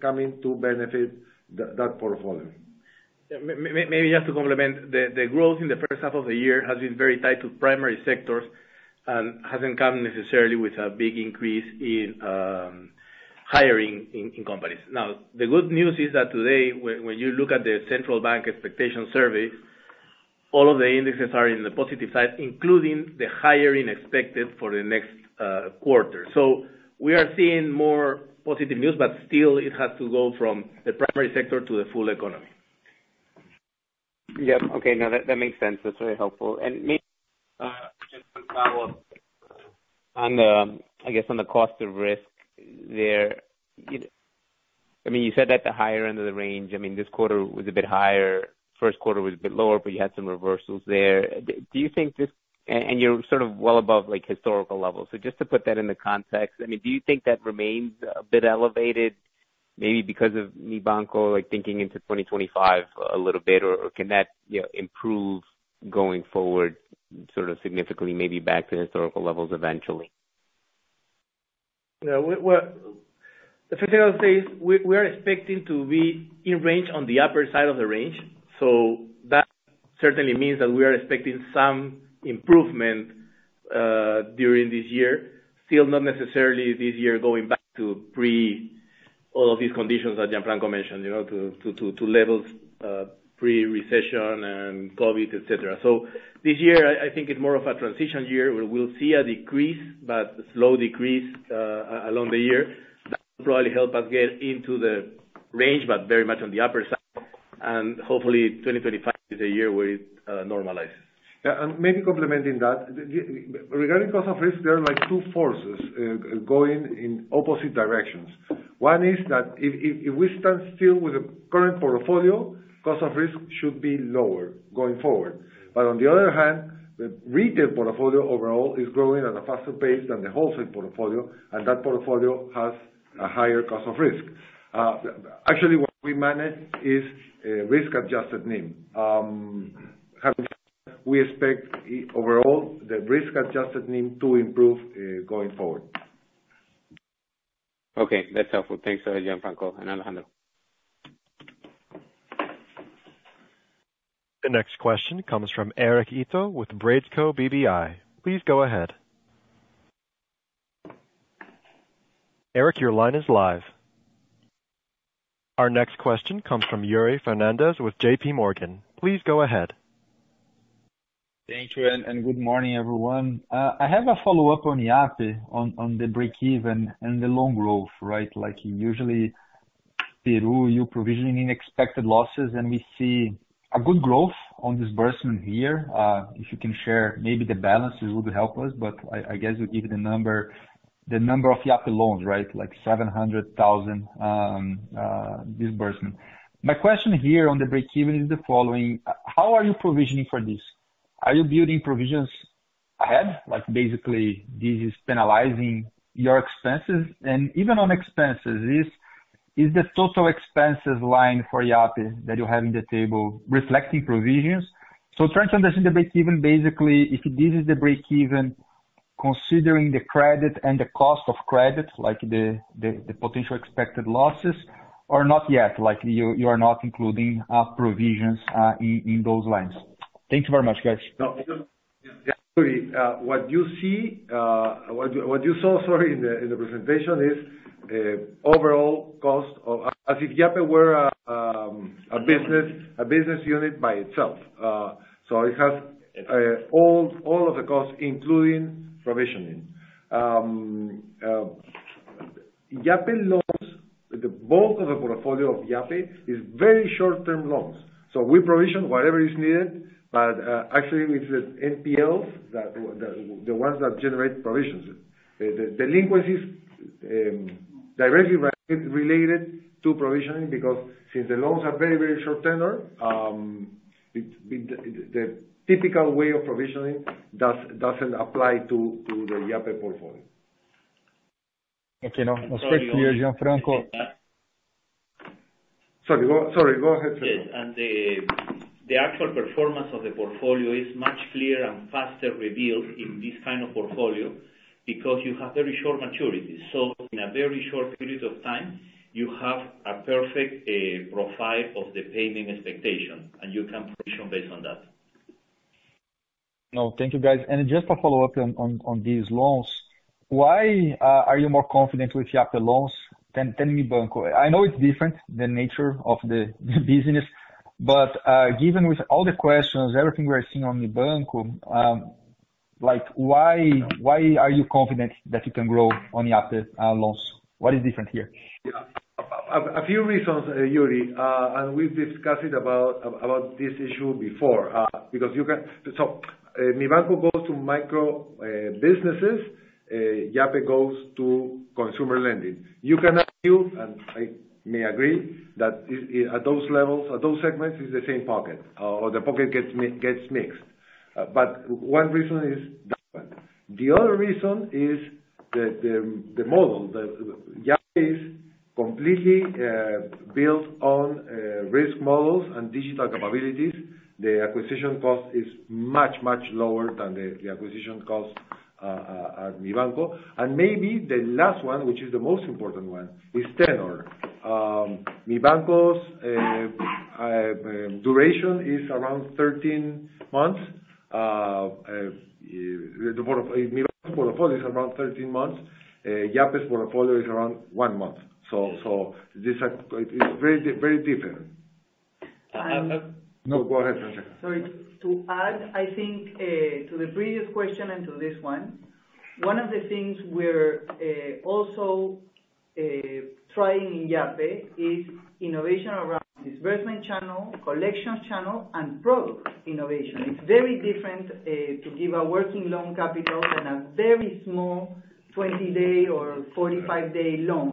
coming to benefit that portfolio? Yeah, maybe just to complement, the growth in the first half of the year has been very tied to primary sectors, hasn't come necessarily with a big increase in hiring in companies. Now, the good news is that today, when you look at the central bank expectation survey, all of the indices are in the positive side, including the hiring expected for the next quarter. So we are seeing more positive news, but still it has to go from the primary sector to the full economy. ... Yep. Okay, no, that, that makes sense. That's very helpful. And maybe, just to follow on the, I guess, on the cost of risk there, you-- I mean, you said at the higher end of the range, I mean, this quarter was a bit higher, first quarter was a bit lower, but you had some reversals there. Do you think this-- And, and you're sort of well above, like, historical levels. So just to put that into context, I mean, do you think that remains a bit elevated, maybe because of Mibanco, like, thinking into 2025 a little bit? Or, or can that, you know, improve going forward, sort of significantly, maybe back to historical levels eventually? Yeah, well, well, the first thing I'll say is, we are expecting to be in range on the upper side of the range, so that certainly means that we are expecting some improvement during this year. Still not necessarily this year going back to pre all of these conditions that Gianfranco mentioned, you know, to levels pre-recession and COVID, et cetera. So this year, I think it's more of a transition year, where we'll see a decrease, but a slow decrease along the year. That will probably help us get into the range, but very much on the upper side, and hopefully 2025 is a year where it normalizes. Yeah, and maybe complementing that, the regarding cost of risk, there are, like, two forces going in opposite directions. One is that if we stand still with the current portfolio, cost of risk should be lower going forward. But on the other hand, the retail portfolio overall is growing at a faster pace than the wholesale portfolio, and that portfolio has a higher cost of risk. Actually, what we manage is risk-adjusted NIM. We expect, overall, the risk-adjusted NIM to improve going forward. Okay. That's helpful. Thanks, Gianfranco and Alejandro. The next question comes from Eric Ito with Bradesco BBI. Please go ahead. Eric, your line is live. Our next question comes from Yuri Fernandes with J.P. Morgan. Please go ahead. Thank you, and good morning, everyone. I have a follow-up on Yape, on the breakeven and the long growth, right? Like, usually, Peru, you provision unexpected losses, and we see a good growth on disbursement here. If you can share maybe the balances, it would help us, but I guess you give the number, the number of Yape loans, right? Like 700,000 disbursement. My question here on the breakeven is the following: How are you provisioning for this? Are you building provisions ahead? Like, basically, this is penalizing your expenses. And even on expenses, is the total expenses line for Yape that you have in the table reflecting provisions? So try to understand the breakeven, basically, if this is the breakeven, considering the credit and the cost of credit, like the potential expected losses, or not yet, like you are not including provisions in those lines. Thank you very much, guys. No, what you see. What you saw, sorry, in the presentation is overall cost of—as if Yape were a business unit by itself. So it has all of the costs, including provisioning. Yape loans, the bulk of the portfolio of Yape is very short-term loans. So we provision whatever is needed, but actually it's the NPLs that the ones that generate provisions. The delinquencies directly related to provisioning, because since the loans are very, very short tenure, the typical way of provisioning doesn't apply to the Yape portfolio. Okay. No, thank you, Gianfranco. Sorry, go ahead. Yes, and the actual performance of the portfolio is much clearer and faster revealed in this kind of portfolio, because you have very short maturities. So in a very short period of time, you have a perfect profile of the payment expectation, and you can provision based on that. No, thank you, guys. And just to follow up on these loans, why are you more confident with Yape loans than Mibanco? I know it's different, the nature of the business, but given with all the questions, everything we're seeing on Mibanco, like, why are you confident that you can grow on Yape loans? What is different here? Yeah. A few reasons, Yuri, and we've discussed about this issue before, because you can... So, Mibanco goes to micro businesses, Yape goes to consumer lending. You cannot argue, and I may agree, that it, at those levels, at those segments, it's the same pocket, or the pocket gets mixed. But one reason is that one. The other reason is the model. Yape is completely built on risk models and digital capabilities. The acquisition cost is much, much lower than the acquisition cost at Mibanco. And maybe the last one, which is the most important one, is tenure. Mibanco's duration is around 13 months. The Mibanco portfolio is around 13 months. Yape's portfolio is around one month. So, this is very, very different. Um- No, go ahead. Sorry. To add, I think, to the previous question and to this one, one of the things we're trying in Yape is innovation around disbursement channel, collection channel, and product innovation. It's very different to give a working loan capital and a very small 20-day or 45-day loan.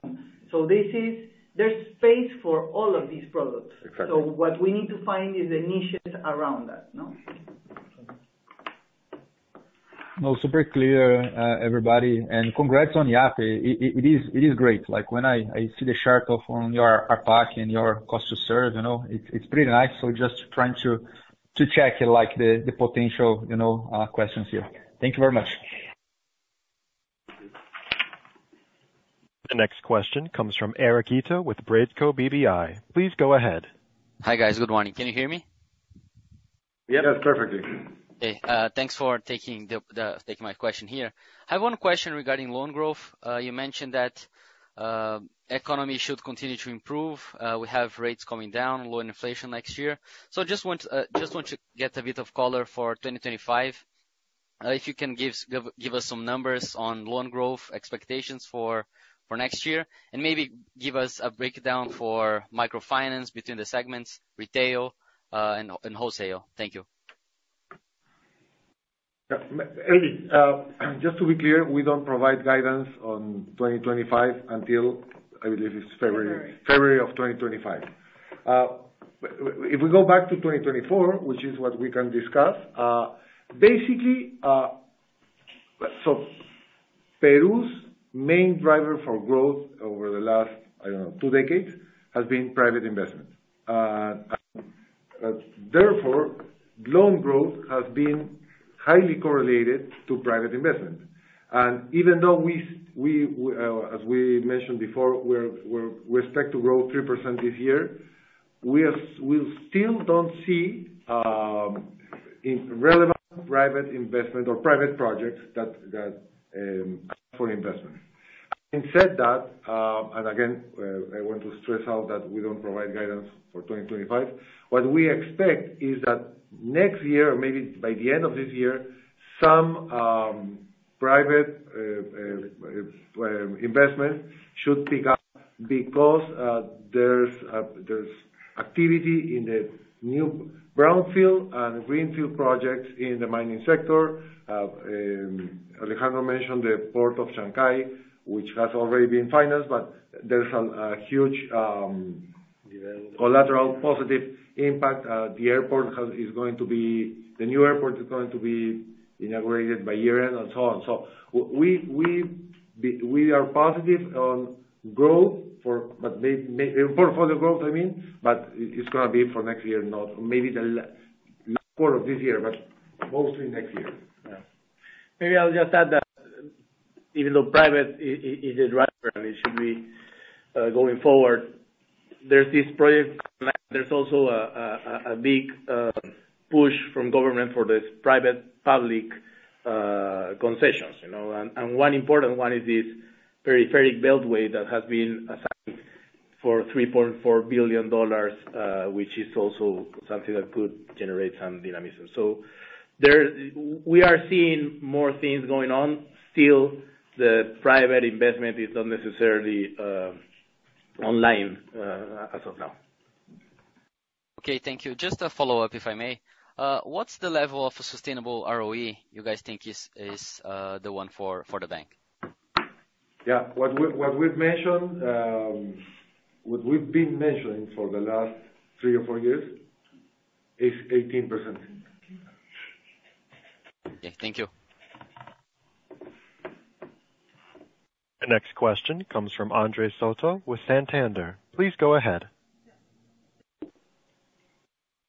So this is. There's space for all of these products. Exactly. What we need to find is the niches around that, no? No, super clear, everybody, and congrats on Yape. It is great. Like, when I see the chart of on your ARPAC and your cost to serve, you know, it's pretty nice. So just trying to check it, like, the potential, you know, questions here. Thank you very much. The next question comes from Eric Ito with Bradesco BBI. Please go ahead. Hi, guys. Good morning. Can you hear me? Yes, perfectly. Okay, thanks for taking my question here. I have one question regarding loan growth. You mentioned that economy should continue to improve. We have rates coming down, low inflation next year. So just want to get a bit of color for 2025. If you can give us some numbers on loan growth expectations for next year, and maybe give us a breakdown for microfinance between the segments, retail, and wholesale. Thank you. Yeah, Eric, just to be clear, we don't provide guidance on 2025 until, I believe, it's February- February. February 2025. If we go back to 2024, which is what we can discuss, basically, Peru's main driver for growth over the last, I don't know, two decades, has been private investment. Therefore, loan growth has been highly correlated to private investment, and even though we, as we mentioned before, we're, we expect to grow 3% this year, we still don't see in relevant private investment or private projects that for investment. Having said that, and again, I want to stress out that we don't provide guidance for 2025. What we expect is that next year, maybe by the end of this year, some private investment should pick up because there's activity in the new brownfield and greenfield projects in the mining sector. Alejandro mentioned the port of Chancay, which has already been financed, but there's a huge Yeah... collateral positive impact. The airport is going to be... the new airport is going to be inaugurated by year-end and so on. So we are positive on growth for, but the portfolio growth, I mean, but it's gonna be for next year, not maybe the last quarter of this year, but mostly next year. Yeah. Maybe I'll just add that even though private is a driver, and it should be going forward, there's this project, there's also a big push from government for this private/public concessions, you know, and one important one is this Peripheral Beltway that has been assigned for $3.4 billion, which is also something that could generate some dynamics. So there, we are seeing more things going on. Still, the private investment is not necessarily online as of now. Okay, thank you. Just a follow-up, if I may. What's the level of sustainable ROE you guys think is the one for the bank? Yeah. What we've mentioned, what we've been mentioning for the last three or four years is 18%. Yeah. Thank you. The next question comes from Andrés Soto with Santander. Please go ahead.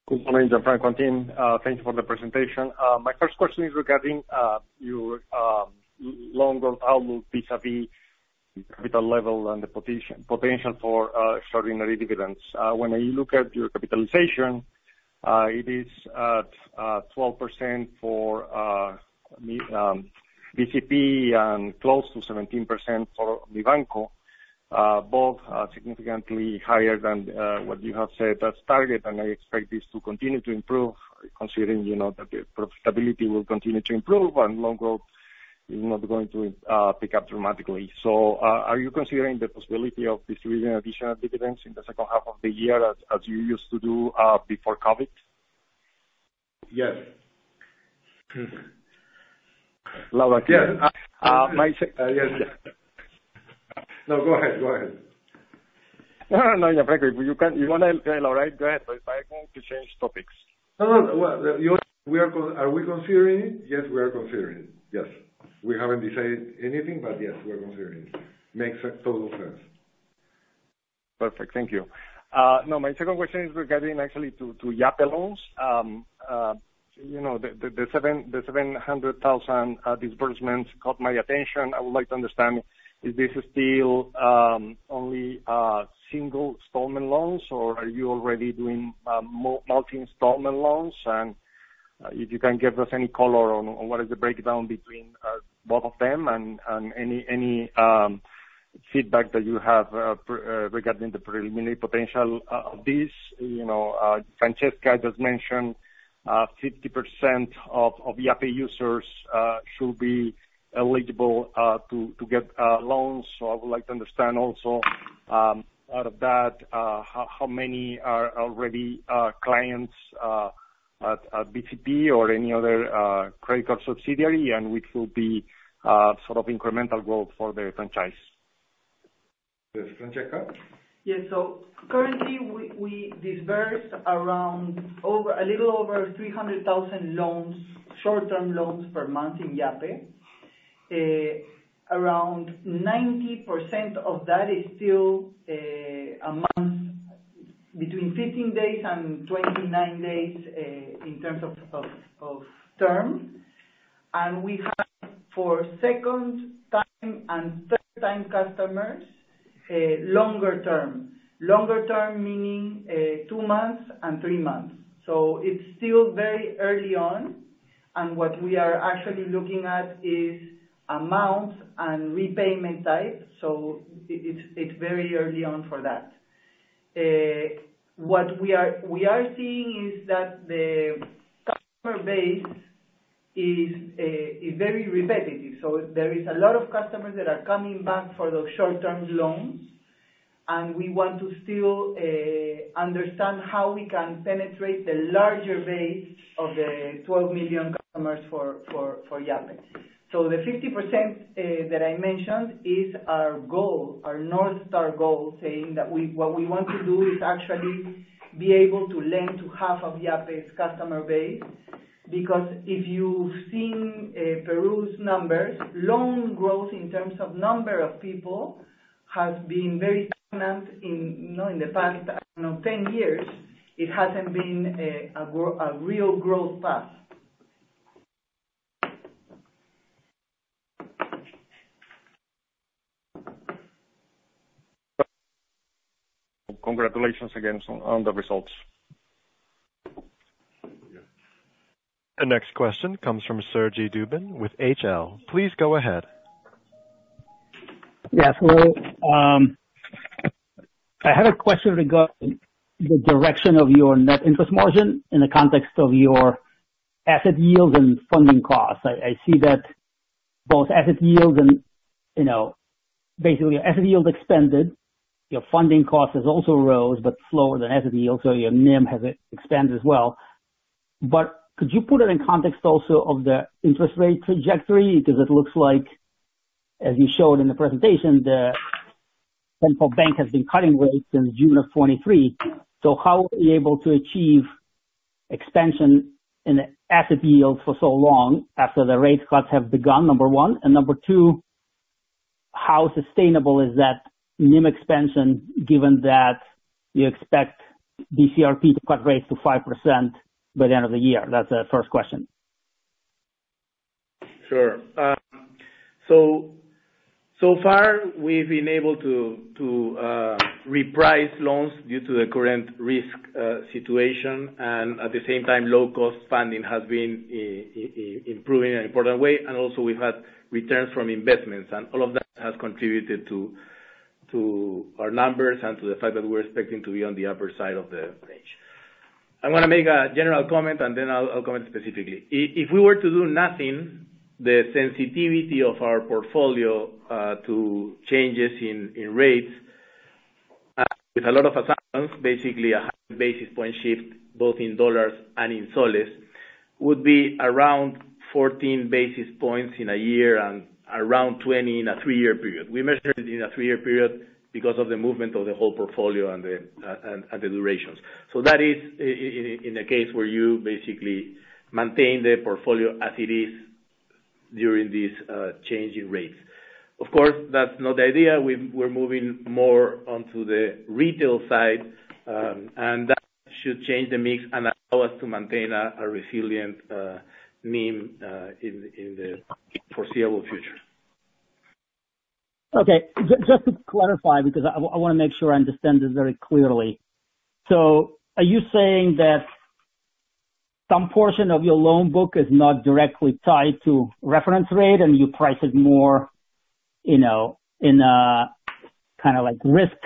Good morning, Fran, Gentlemen Yes. Laura- Yes. Uh, my sec- Yes, yes. No, go ahead. Go ahead. No, no, you're very good. You can, you wanna tell, all right, go ahead, but I want to change topics. No, no, well, you... We are considering it? Yes, we are considering it, yes. We haven't decided anything, but yes, we are considering it. Makes total sense. Perfect. Thank you. Now my second question is regarding actually to Yape loans. You know, the 700,000 disbursements caught my attention. I would like to understand, is this still only single installment loans, or are you already doing multi-installment loans? And if you can give us any color on what is the breakdown between both of them and any feedback that you have regarding the preliminary potential of this. You know, Francesca just mentioned 50% of Yape users should be eligible to get loans. I would like to understand also, out of that, how many are already clients at BCP or any other credit card subsidiary, and which will be sort of incremental growth for the franchise? Yes, Francesca? Yeah. So currently we disperse around a little over 300,000 loans, short-term loans per month in Yape. Around 90% of that is still a month, between 15 days and 29 days in terms of term. And we have for second time and third time customers, a longer term. Longer term meaning two months and three months. So it's still very early on, and what we are actually looking at is amounts and repayment types, so it's very early on for that. What we are seeing is that the customer base is very repetitive. So there is a lot of customers that are coming back for those short-term loans, and we want to still understand how we can penetrate the larger base of the 12 million customers for Yape. So the 50%, that I mentioned is our goal, our North Star goal, saying that we—what we want to do is actually be able to lend to half of Yape's customer base. Because if you've seen, Peru's numbers, loan growth in terms of number of people, has been very stagnant in, you know, in the past, you know, 10 years. It hasn't been a real growth path. Congratulations again on the results. The next question comes from Sergey Dubin with HL. Please go ahead. Yeah. So, I had a question regarding the direction of your net interest margin in the context of your asset yield and funding costs. I see that both asset yield and, you know, basically your asset yield expanded, your funding costs has also rose, but slower than asset yield, so your NIM has expanded as well. But could you put it in context also of the interest rate trajectory? Because it looks like, as you showed in the presentation, the Central Bank has been cutting rates since June of 2023. So how were you able to achieve expansion in the asset yield for so long after the rate cuts have begun? Number one, and number two, how sustainable is that NIM expansion, given that you expect BCRP to cut rates to 5% by the end of the year? That's the first question. Sure. So far, we've been able to reprice loans due to the current risk situation, and at the same time, low-cost funding has been improving in an important way, and also we've had returns from investments. And all of that has contributed to our numbers and to the fact that we're expecting to be on the upper side of the range. I'm gonna make a general comment and then I'll comment specifically. If we were to do nothing, the sensitivity of our portfolio to changes in rates, with a lot of assumptions, basically a high basis point shift, both in dollars and in soles, would be around 14 basis points in a year and around 20 in a three-year period. We measured it in a three-year period because of the movement of the whole portfolio and the and the durations. So that is in a case where you basically maintain the portfolio as it is during this change in rates. Of course, that's not the idea. We're moving more onto the retail side, and that should change the mix and allow us to maintain a resilient NIM in the foreseeable future. Okay. Just to clarify, because I wanna make sure I understand this very clearly. So are you saying that some portion of your loan book is not directly tied to reference rate and you price it more, you know, in a kind of, like, risk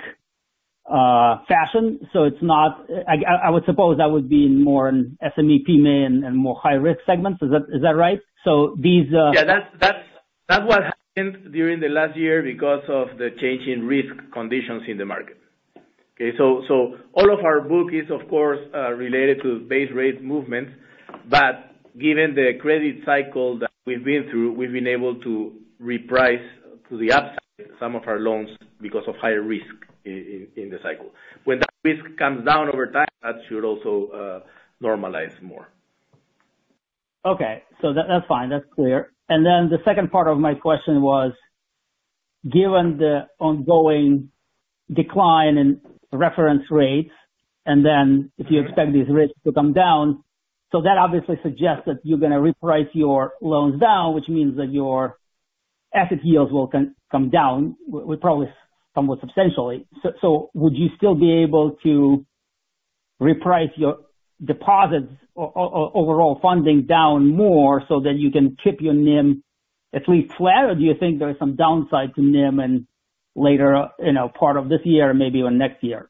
fashion? So it's not... I would suppose that would be more in SME, PYME, and more high-risk segments. Is that right? So these, Yeah, that's, that's, that's what happened during the last year because of the change in risk conditions in the market. Okay, so, so all of our book is, of course, related to base rate movements, but given the credit cycle that we've been through, we've been able to reprice to the upside some of our loans because of higher risk in the cycle. When that risk comes down over time, that should also normalize more. Okay. So that's fine, that's clear. And then the second part of my question was, given the ongoing decline in reference rates, and then if you expect these risks to come down, so that obviously suggests that you're gonna reprice your loans down, which means that your asset yields will come down, well, probably somewhat substantially. So would you still be able to reprice your deposits overall funding down more so that you can keep your NIM at least flat, or do you think there is some downside to NIM and later, you know, part of this year, maybe even next year?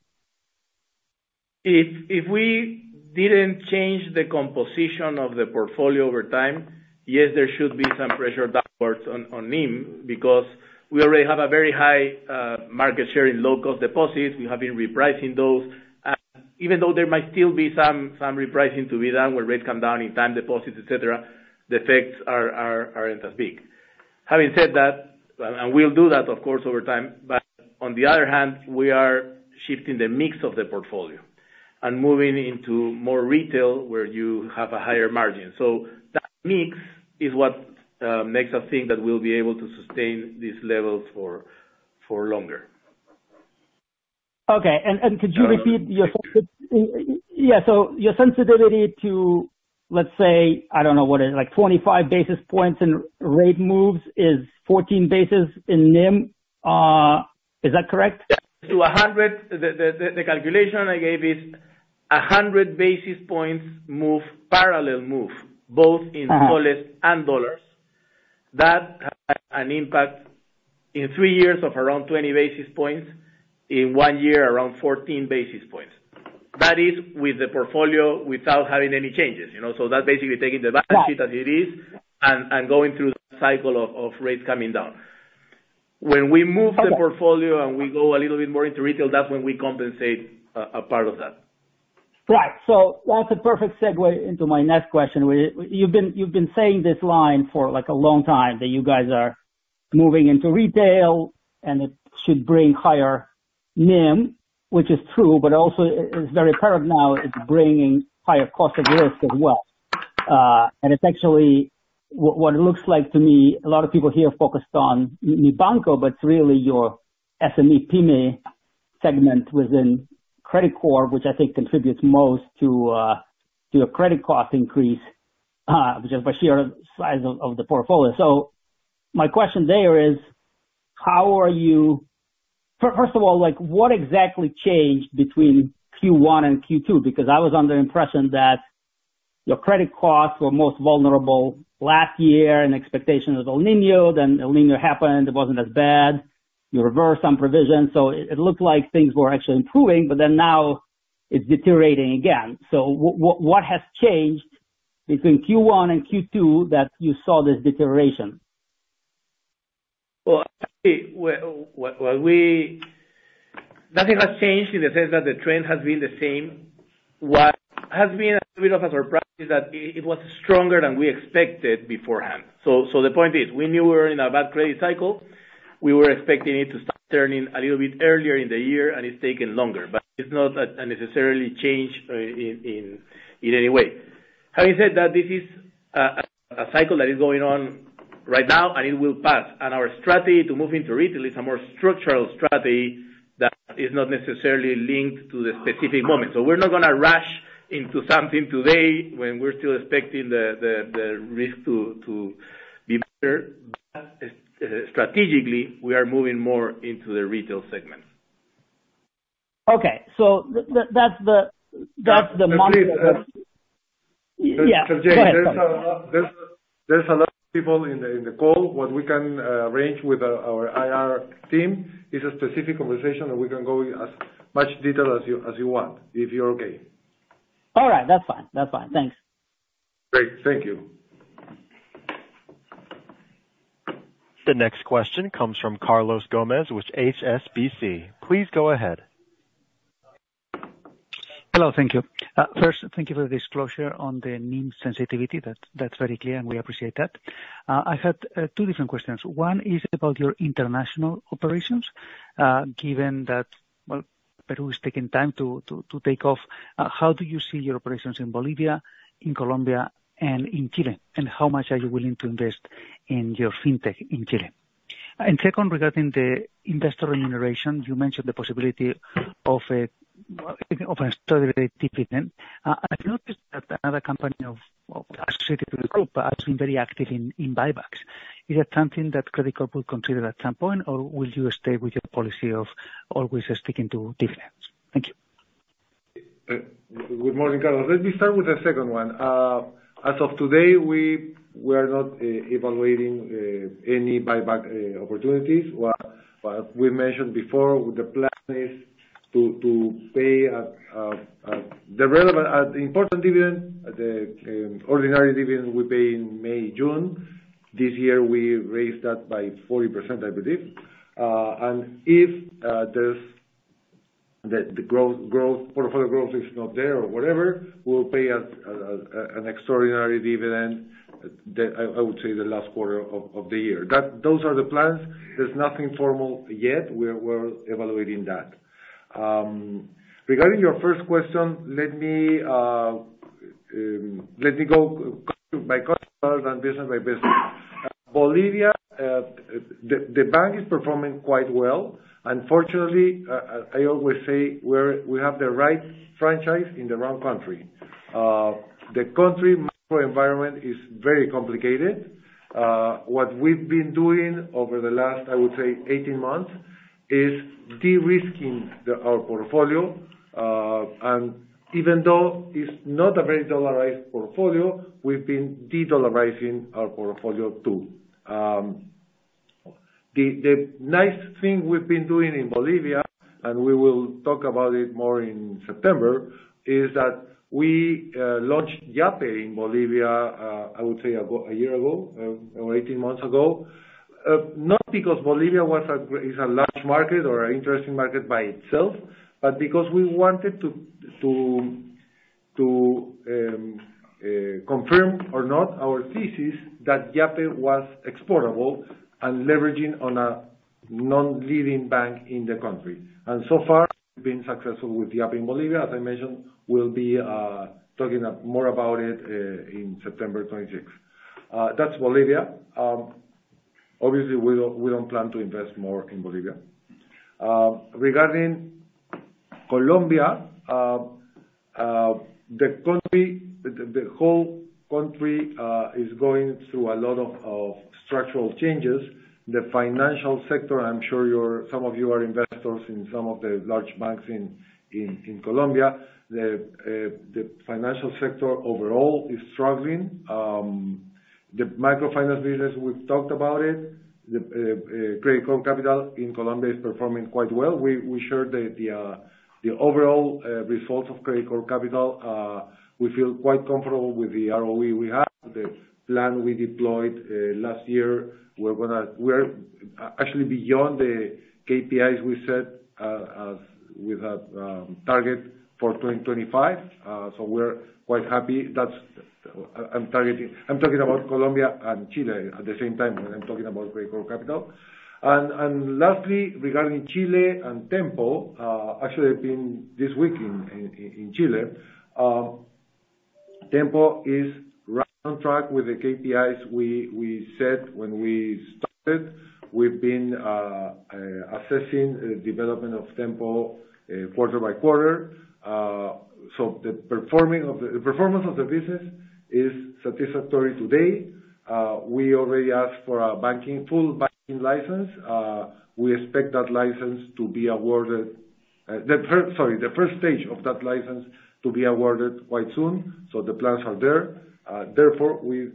If we didn't change the composition of the portfolio over time, yes, there should be some pressure downwards on NIM, because we already have a very high market share in low-cost deposits. We have been repricing those. Even though there might still be some repricing to be done, when rates come down in time deposits, et cetera, the effects are not as big. Having said that, we'll do that, of course, over time, but on the other hand, we are shifting the mix of the portfolio and moving into more retail, where you have a higher margin. That mix is what makes us think that we'll be able to sustain these levels for longer. Okay. And could you repeat your- Uh, Yeah, so your sensitivity to, let's say, I don't know what, it's like 25 basis points and rate moves is 14 basis in NIM. Is that correct? Yeah. To 100, the calculation I gave is 100 basis points move, parallel move, both- Uh-huh... in soles and dollars. That has an impact in three years of around 20 basis points, in one year, around 14 basis points. That is with the portfolio without having any changes, you know? So that's basically taking the balance sheet- Right... as it is, and going through the cycle of rates coming down. Okay. When we move the portfolio and we go a little bit more into retail, that's when we compensate a part of that. Right. So that's a perfect segue into my next question. You've been saying this line for, like, a long time, that you guys are moving into retail, and it should bring higher NIM, which is true, but also it's very clear now it's bringing higher cost of risk as well. And it's actually what it looks like to me, a lot of people here focused on Mibanco, but really your SME PYME segment within Credicorp, which I think contributes most to your credit cost increase, just by sheer size of the portfolio. So my question there is: How are you first of all, like, what exactly changed between Q1 and Q2? Because I was under the impression that your credit costs were most vulnerable last year, and expectation was El Niño. Then El Niño happened, it wasn't as bad. You reversed some provisions, so it looked like things were actually improving, but then now it's deteriorating again. So what, what has changed between Q1 and Q2 that you saw this deterioration? Well, well, well, nothing has changed in the sense that the trend has been the same. What has been a bit of a surprise is that it was stronger than we expected beforehand. So the point is, we knew we were in a bad credit cycle. We were expecting it to start turning a little bit earlier in the year, and it's taken longer, but it's not necessarily a change in any way. Having said that, this is a cycle that is going on right now, and it will pass. And our strategy to move into retail is a more structural strategy that is not necessarily linked to the specific moment. So we're not gonna rush into something today when we're still expecting the risk to be better. But strategically, we are moving more into the retail segment. Okay. So that's the. Yeah, so Jay- Yeah, go ahead. There's a lot of people in the call. What we can arrange with our IR team is a specific conversation, and we can go in as much detail as you want, if you're okay. All right, that's fine. That's fine. Thanks. Great. Thank you. The next question comes from Carlos Gómez-López with HSBC. Please go ahead. Hello, thank you. First, thank you for the disclosure on the NIM sensitivity. That's, that's very clear, and we appreciate that. I had two different questions. One is about your international operations. Given that, well, Peru is taking time to take off, how do you see your operations in Bolivia, in Colombia, and in Chile, and how much are you willing to invest in your fintech in Chile? And second, regarding the investor remuneration, you mentioned the possibility of a, well, of an extraordinary dividend. I've noticed that another company of associated with the group has been very active in buybacks. Is that something that Credicorp will consider at some point, or will you stay with your policy of always sticking to dividends? Thank you. Good morning, Carlos. Let me start with the second one. As of today, we are not evaluating any buyback opportunities. But we mentioned before, the plan is to pay a, a, the relevant, the important dividend, the ordinary dividend will pay in May, June. This year, we raised that by 40%, I believe. And if there's the growth, portfolio growth is not there or whatever, we'll pay a, a, an extraordinary dividend, I would say, the last quarter of the year. Those are the plans. There's nothing formal yet. We're evaluating that. Regarding your first question, let me go by country first, then business by business. Bolivia, the bank is performing quite well. Unfortunately, I always say we're, we have the right franchise in the wrong country.... The country macro environment is very complicated. What we've been doing over the last, I would say 18 months, is de-risking our portfolio. And even though it's not a very dollarized portfolio, we've been de-dollarizing our portfolio too. The nice thing we've been doing in Bolivia, and we will talk about it more in September, is that we launched Yape in Bolivia, I would say about 1 year ago, or 18 months ago. Not because Bolivia is a large market or an interesting market by itself, but because we wanted to confirm or not our thesis that Yape was exportable and leveraging on a non-leading bank in the country. And so far, we've been successful with Yape in Bolivia. As I mentioned, we'll be talking up more about it in September 26th. That's Bolivia. Obviously, we don't plan to invest more in Bolivia. Regarding Colombia, the country, the whole country is going through a lot of structural changes. The financial sector, I'm sure some of you are investors in some of the large banks in Colombia. The financial sector overall is struggling. The microfinance business, we've talked about it. Credicorp Capital in Colombia is performing quite well. We shared the overall results of Credicorp Capital. We feel quite comfortable with the ROE we have, the plan we deployed last year. We're actually beyond the KPIs we set as without target for 2025. So we're quite happy. That's... I'm talking about Colombia and Chile at the same time, when I'm talking about Credicorp Capital. And lastly, regarding Chile and Tenpo, actually, I've been this week in Chile. Tenpo is right on track with the KPIs we set when we started. We've been assessing the development of Tenpo quarter by quarter. So the performing of the - the performance of the business is satisfactory today. We already asked for a full banking license. We expect that license to be awarded the first... Sorry, the first stage of that license to be awarded quite soon, so the plans are there. Therefore, we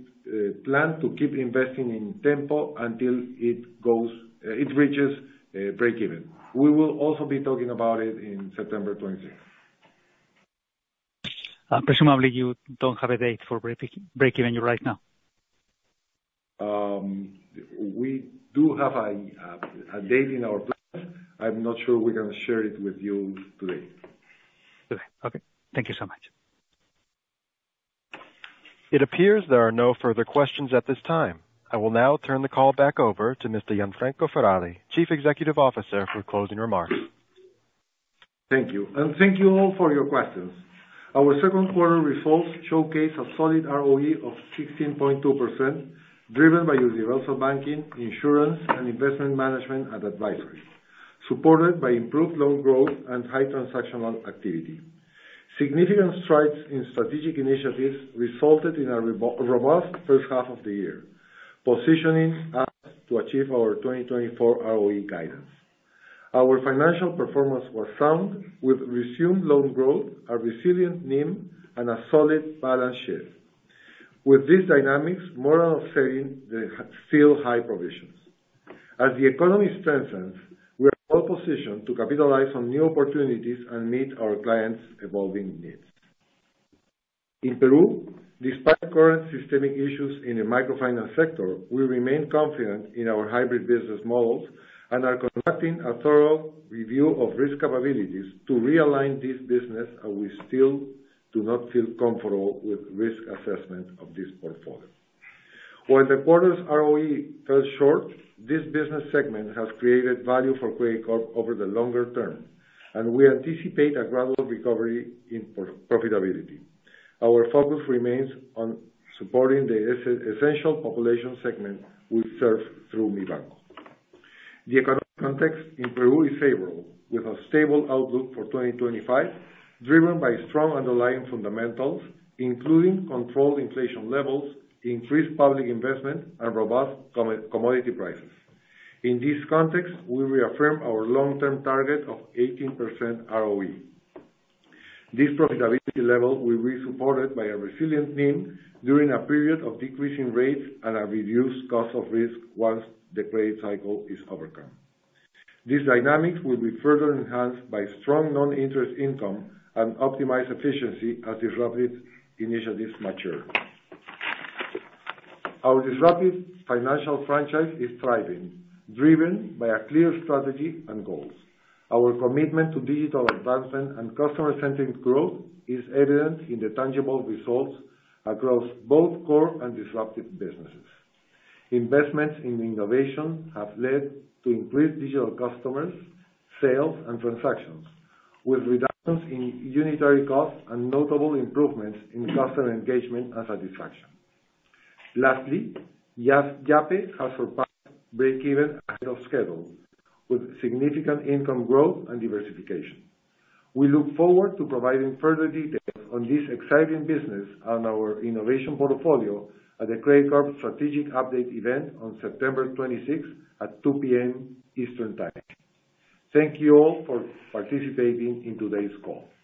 plan to keep investing in Tenpo until it reaches breakeven. We will also be talking about it in September 26th. Presumably, you don't have a date for breakeven right now? We do have a date in our plan. I'm not sure we're gonna share it with you today. Today. Okay, thank you so much. It appears there are no further questions at this time. I will now turn the call back over to Mr. Gianfranco Ferrari, Chief Executive Officer, for closing remarks. Thank you. And thank you all for your questions. Our second quarter results showcase a solid ROE of 16.2%, driven by universal banking, insurance, and investment management and advisory, supported by improved loan growth and high transactional activity. Significant strides in strategic initiatives resulted in a robust first half of the year, positioning us to achieve our 2024 ROE guidance. Our financial performance was sound, with resumed loan growth, a resilient NIM, and a solid balance sheet. With these dynamics, more are saying they have still high provisions. As the economy strengthens, we are well positioned to capitalize on new opportunities and meet our clients' evolving needs. In Peru, despite current systemic issues in the microfinance sector, we remain confident in our hybrid business models and are conducting a thorough review of risk capabilities to realign this business, and we still do not feel comfortable with risk assessment of this portfolio. While the quarter's ROE fell short, this business segment has created value for Credicorp over the longer term, and we anticipate a gradual recovery in profitability. Our focus remains on supporting the essential population segment we serve through Mibanco. The economic context in Peru is favorable, with a stable outlook for 2025, driven by strong underlying fundamentals, including controlled inflation levels, increased public investment, and robust commodity prices. In this context, we reaffirm our long-term target of 18% ROE. This profitability level will be supported by a resilient NIM during a period of decreasing rates and a reduced cost of risk once the credit cycle is overcome. These dynamics will be further enhanced by strong non-interest income and optimized efficiency as disruptive initiatives mature. Our disruptive financial franchise is thriving, driven by a clear strategy and goals. Our commitment to digital advancement and customer-centric growth is evident in the tangible results across both core and disruptive businesses. Investments in innovation have led to increased digital customers, sales, and transactions, with reductions in unitary costs and notable improvements in customer engagement and satisfaction. Lastly, Yape has surpassed breakeven ahead of schedule, with significant income growth and diversification. We look forward to providing further details on this exciting business and our innovation portfolio at the Credicorp Strategic Update event on September 26th at 2:00 P.M. Eastern Time. Thank you all for participating in today's call.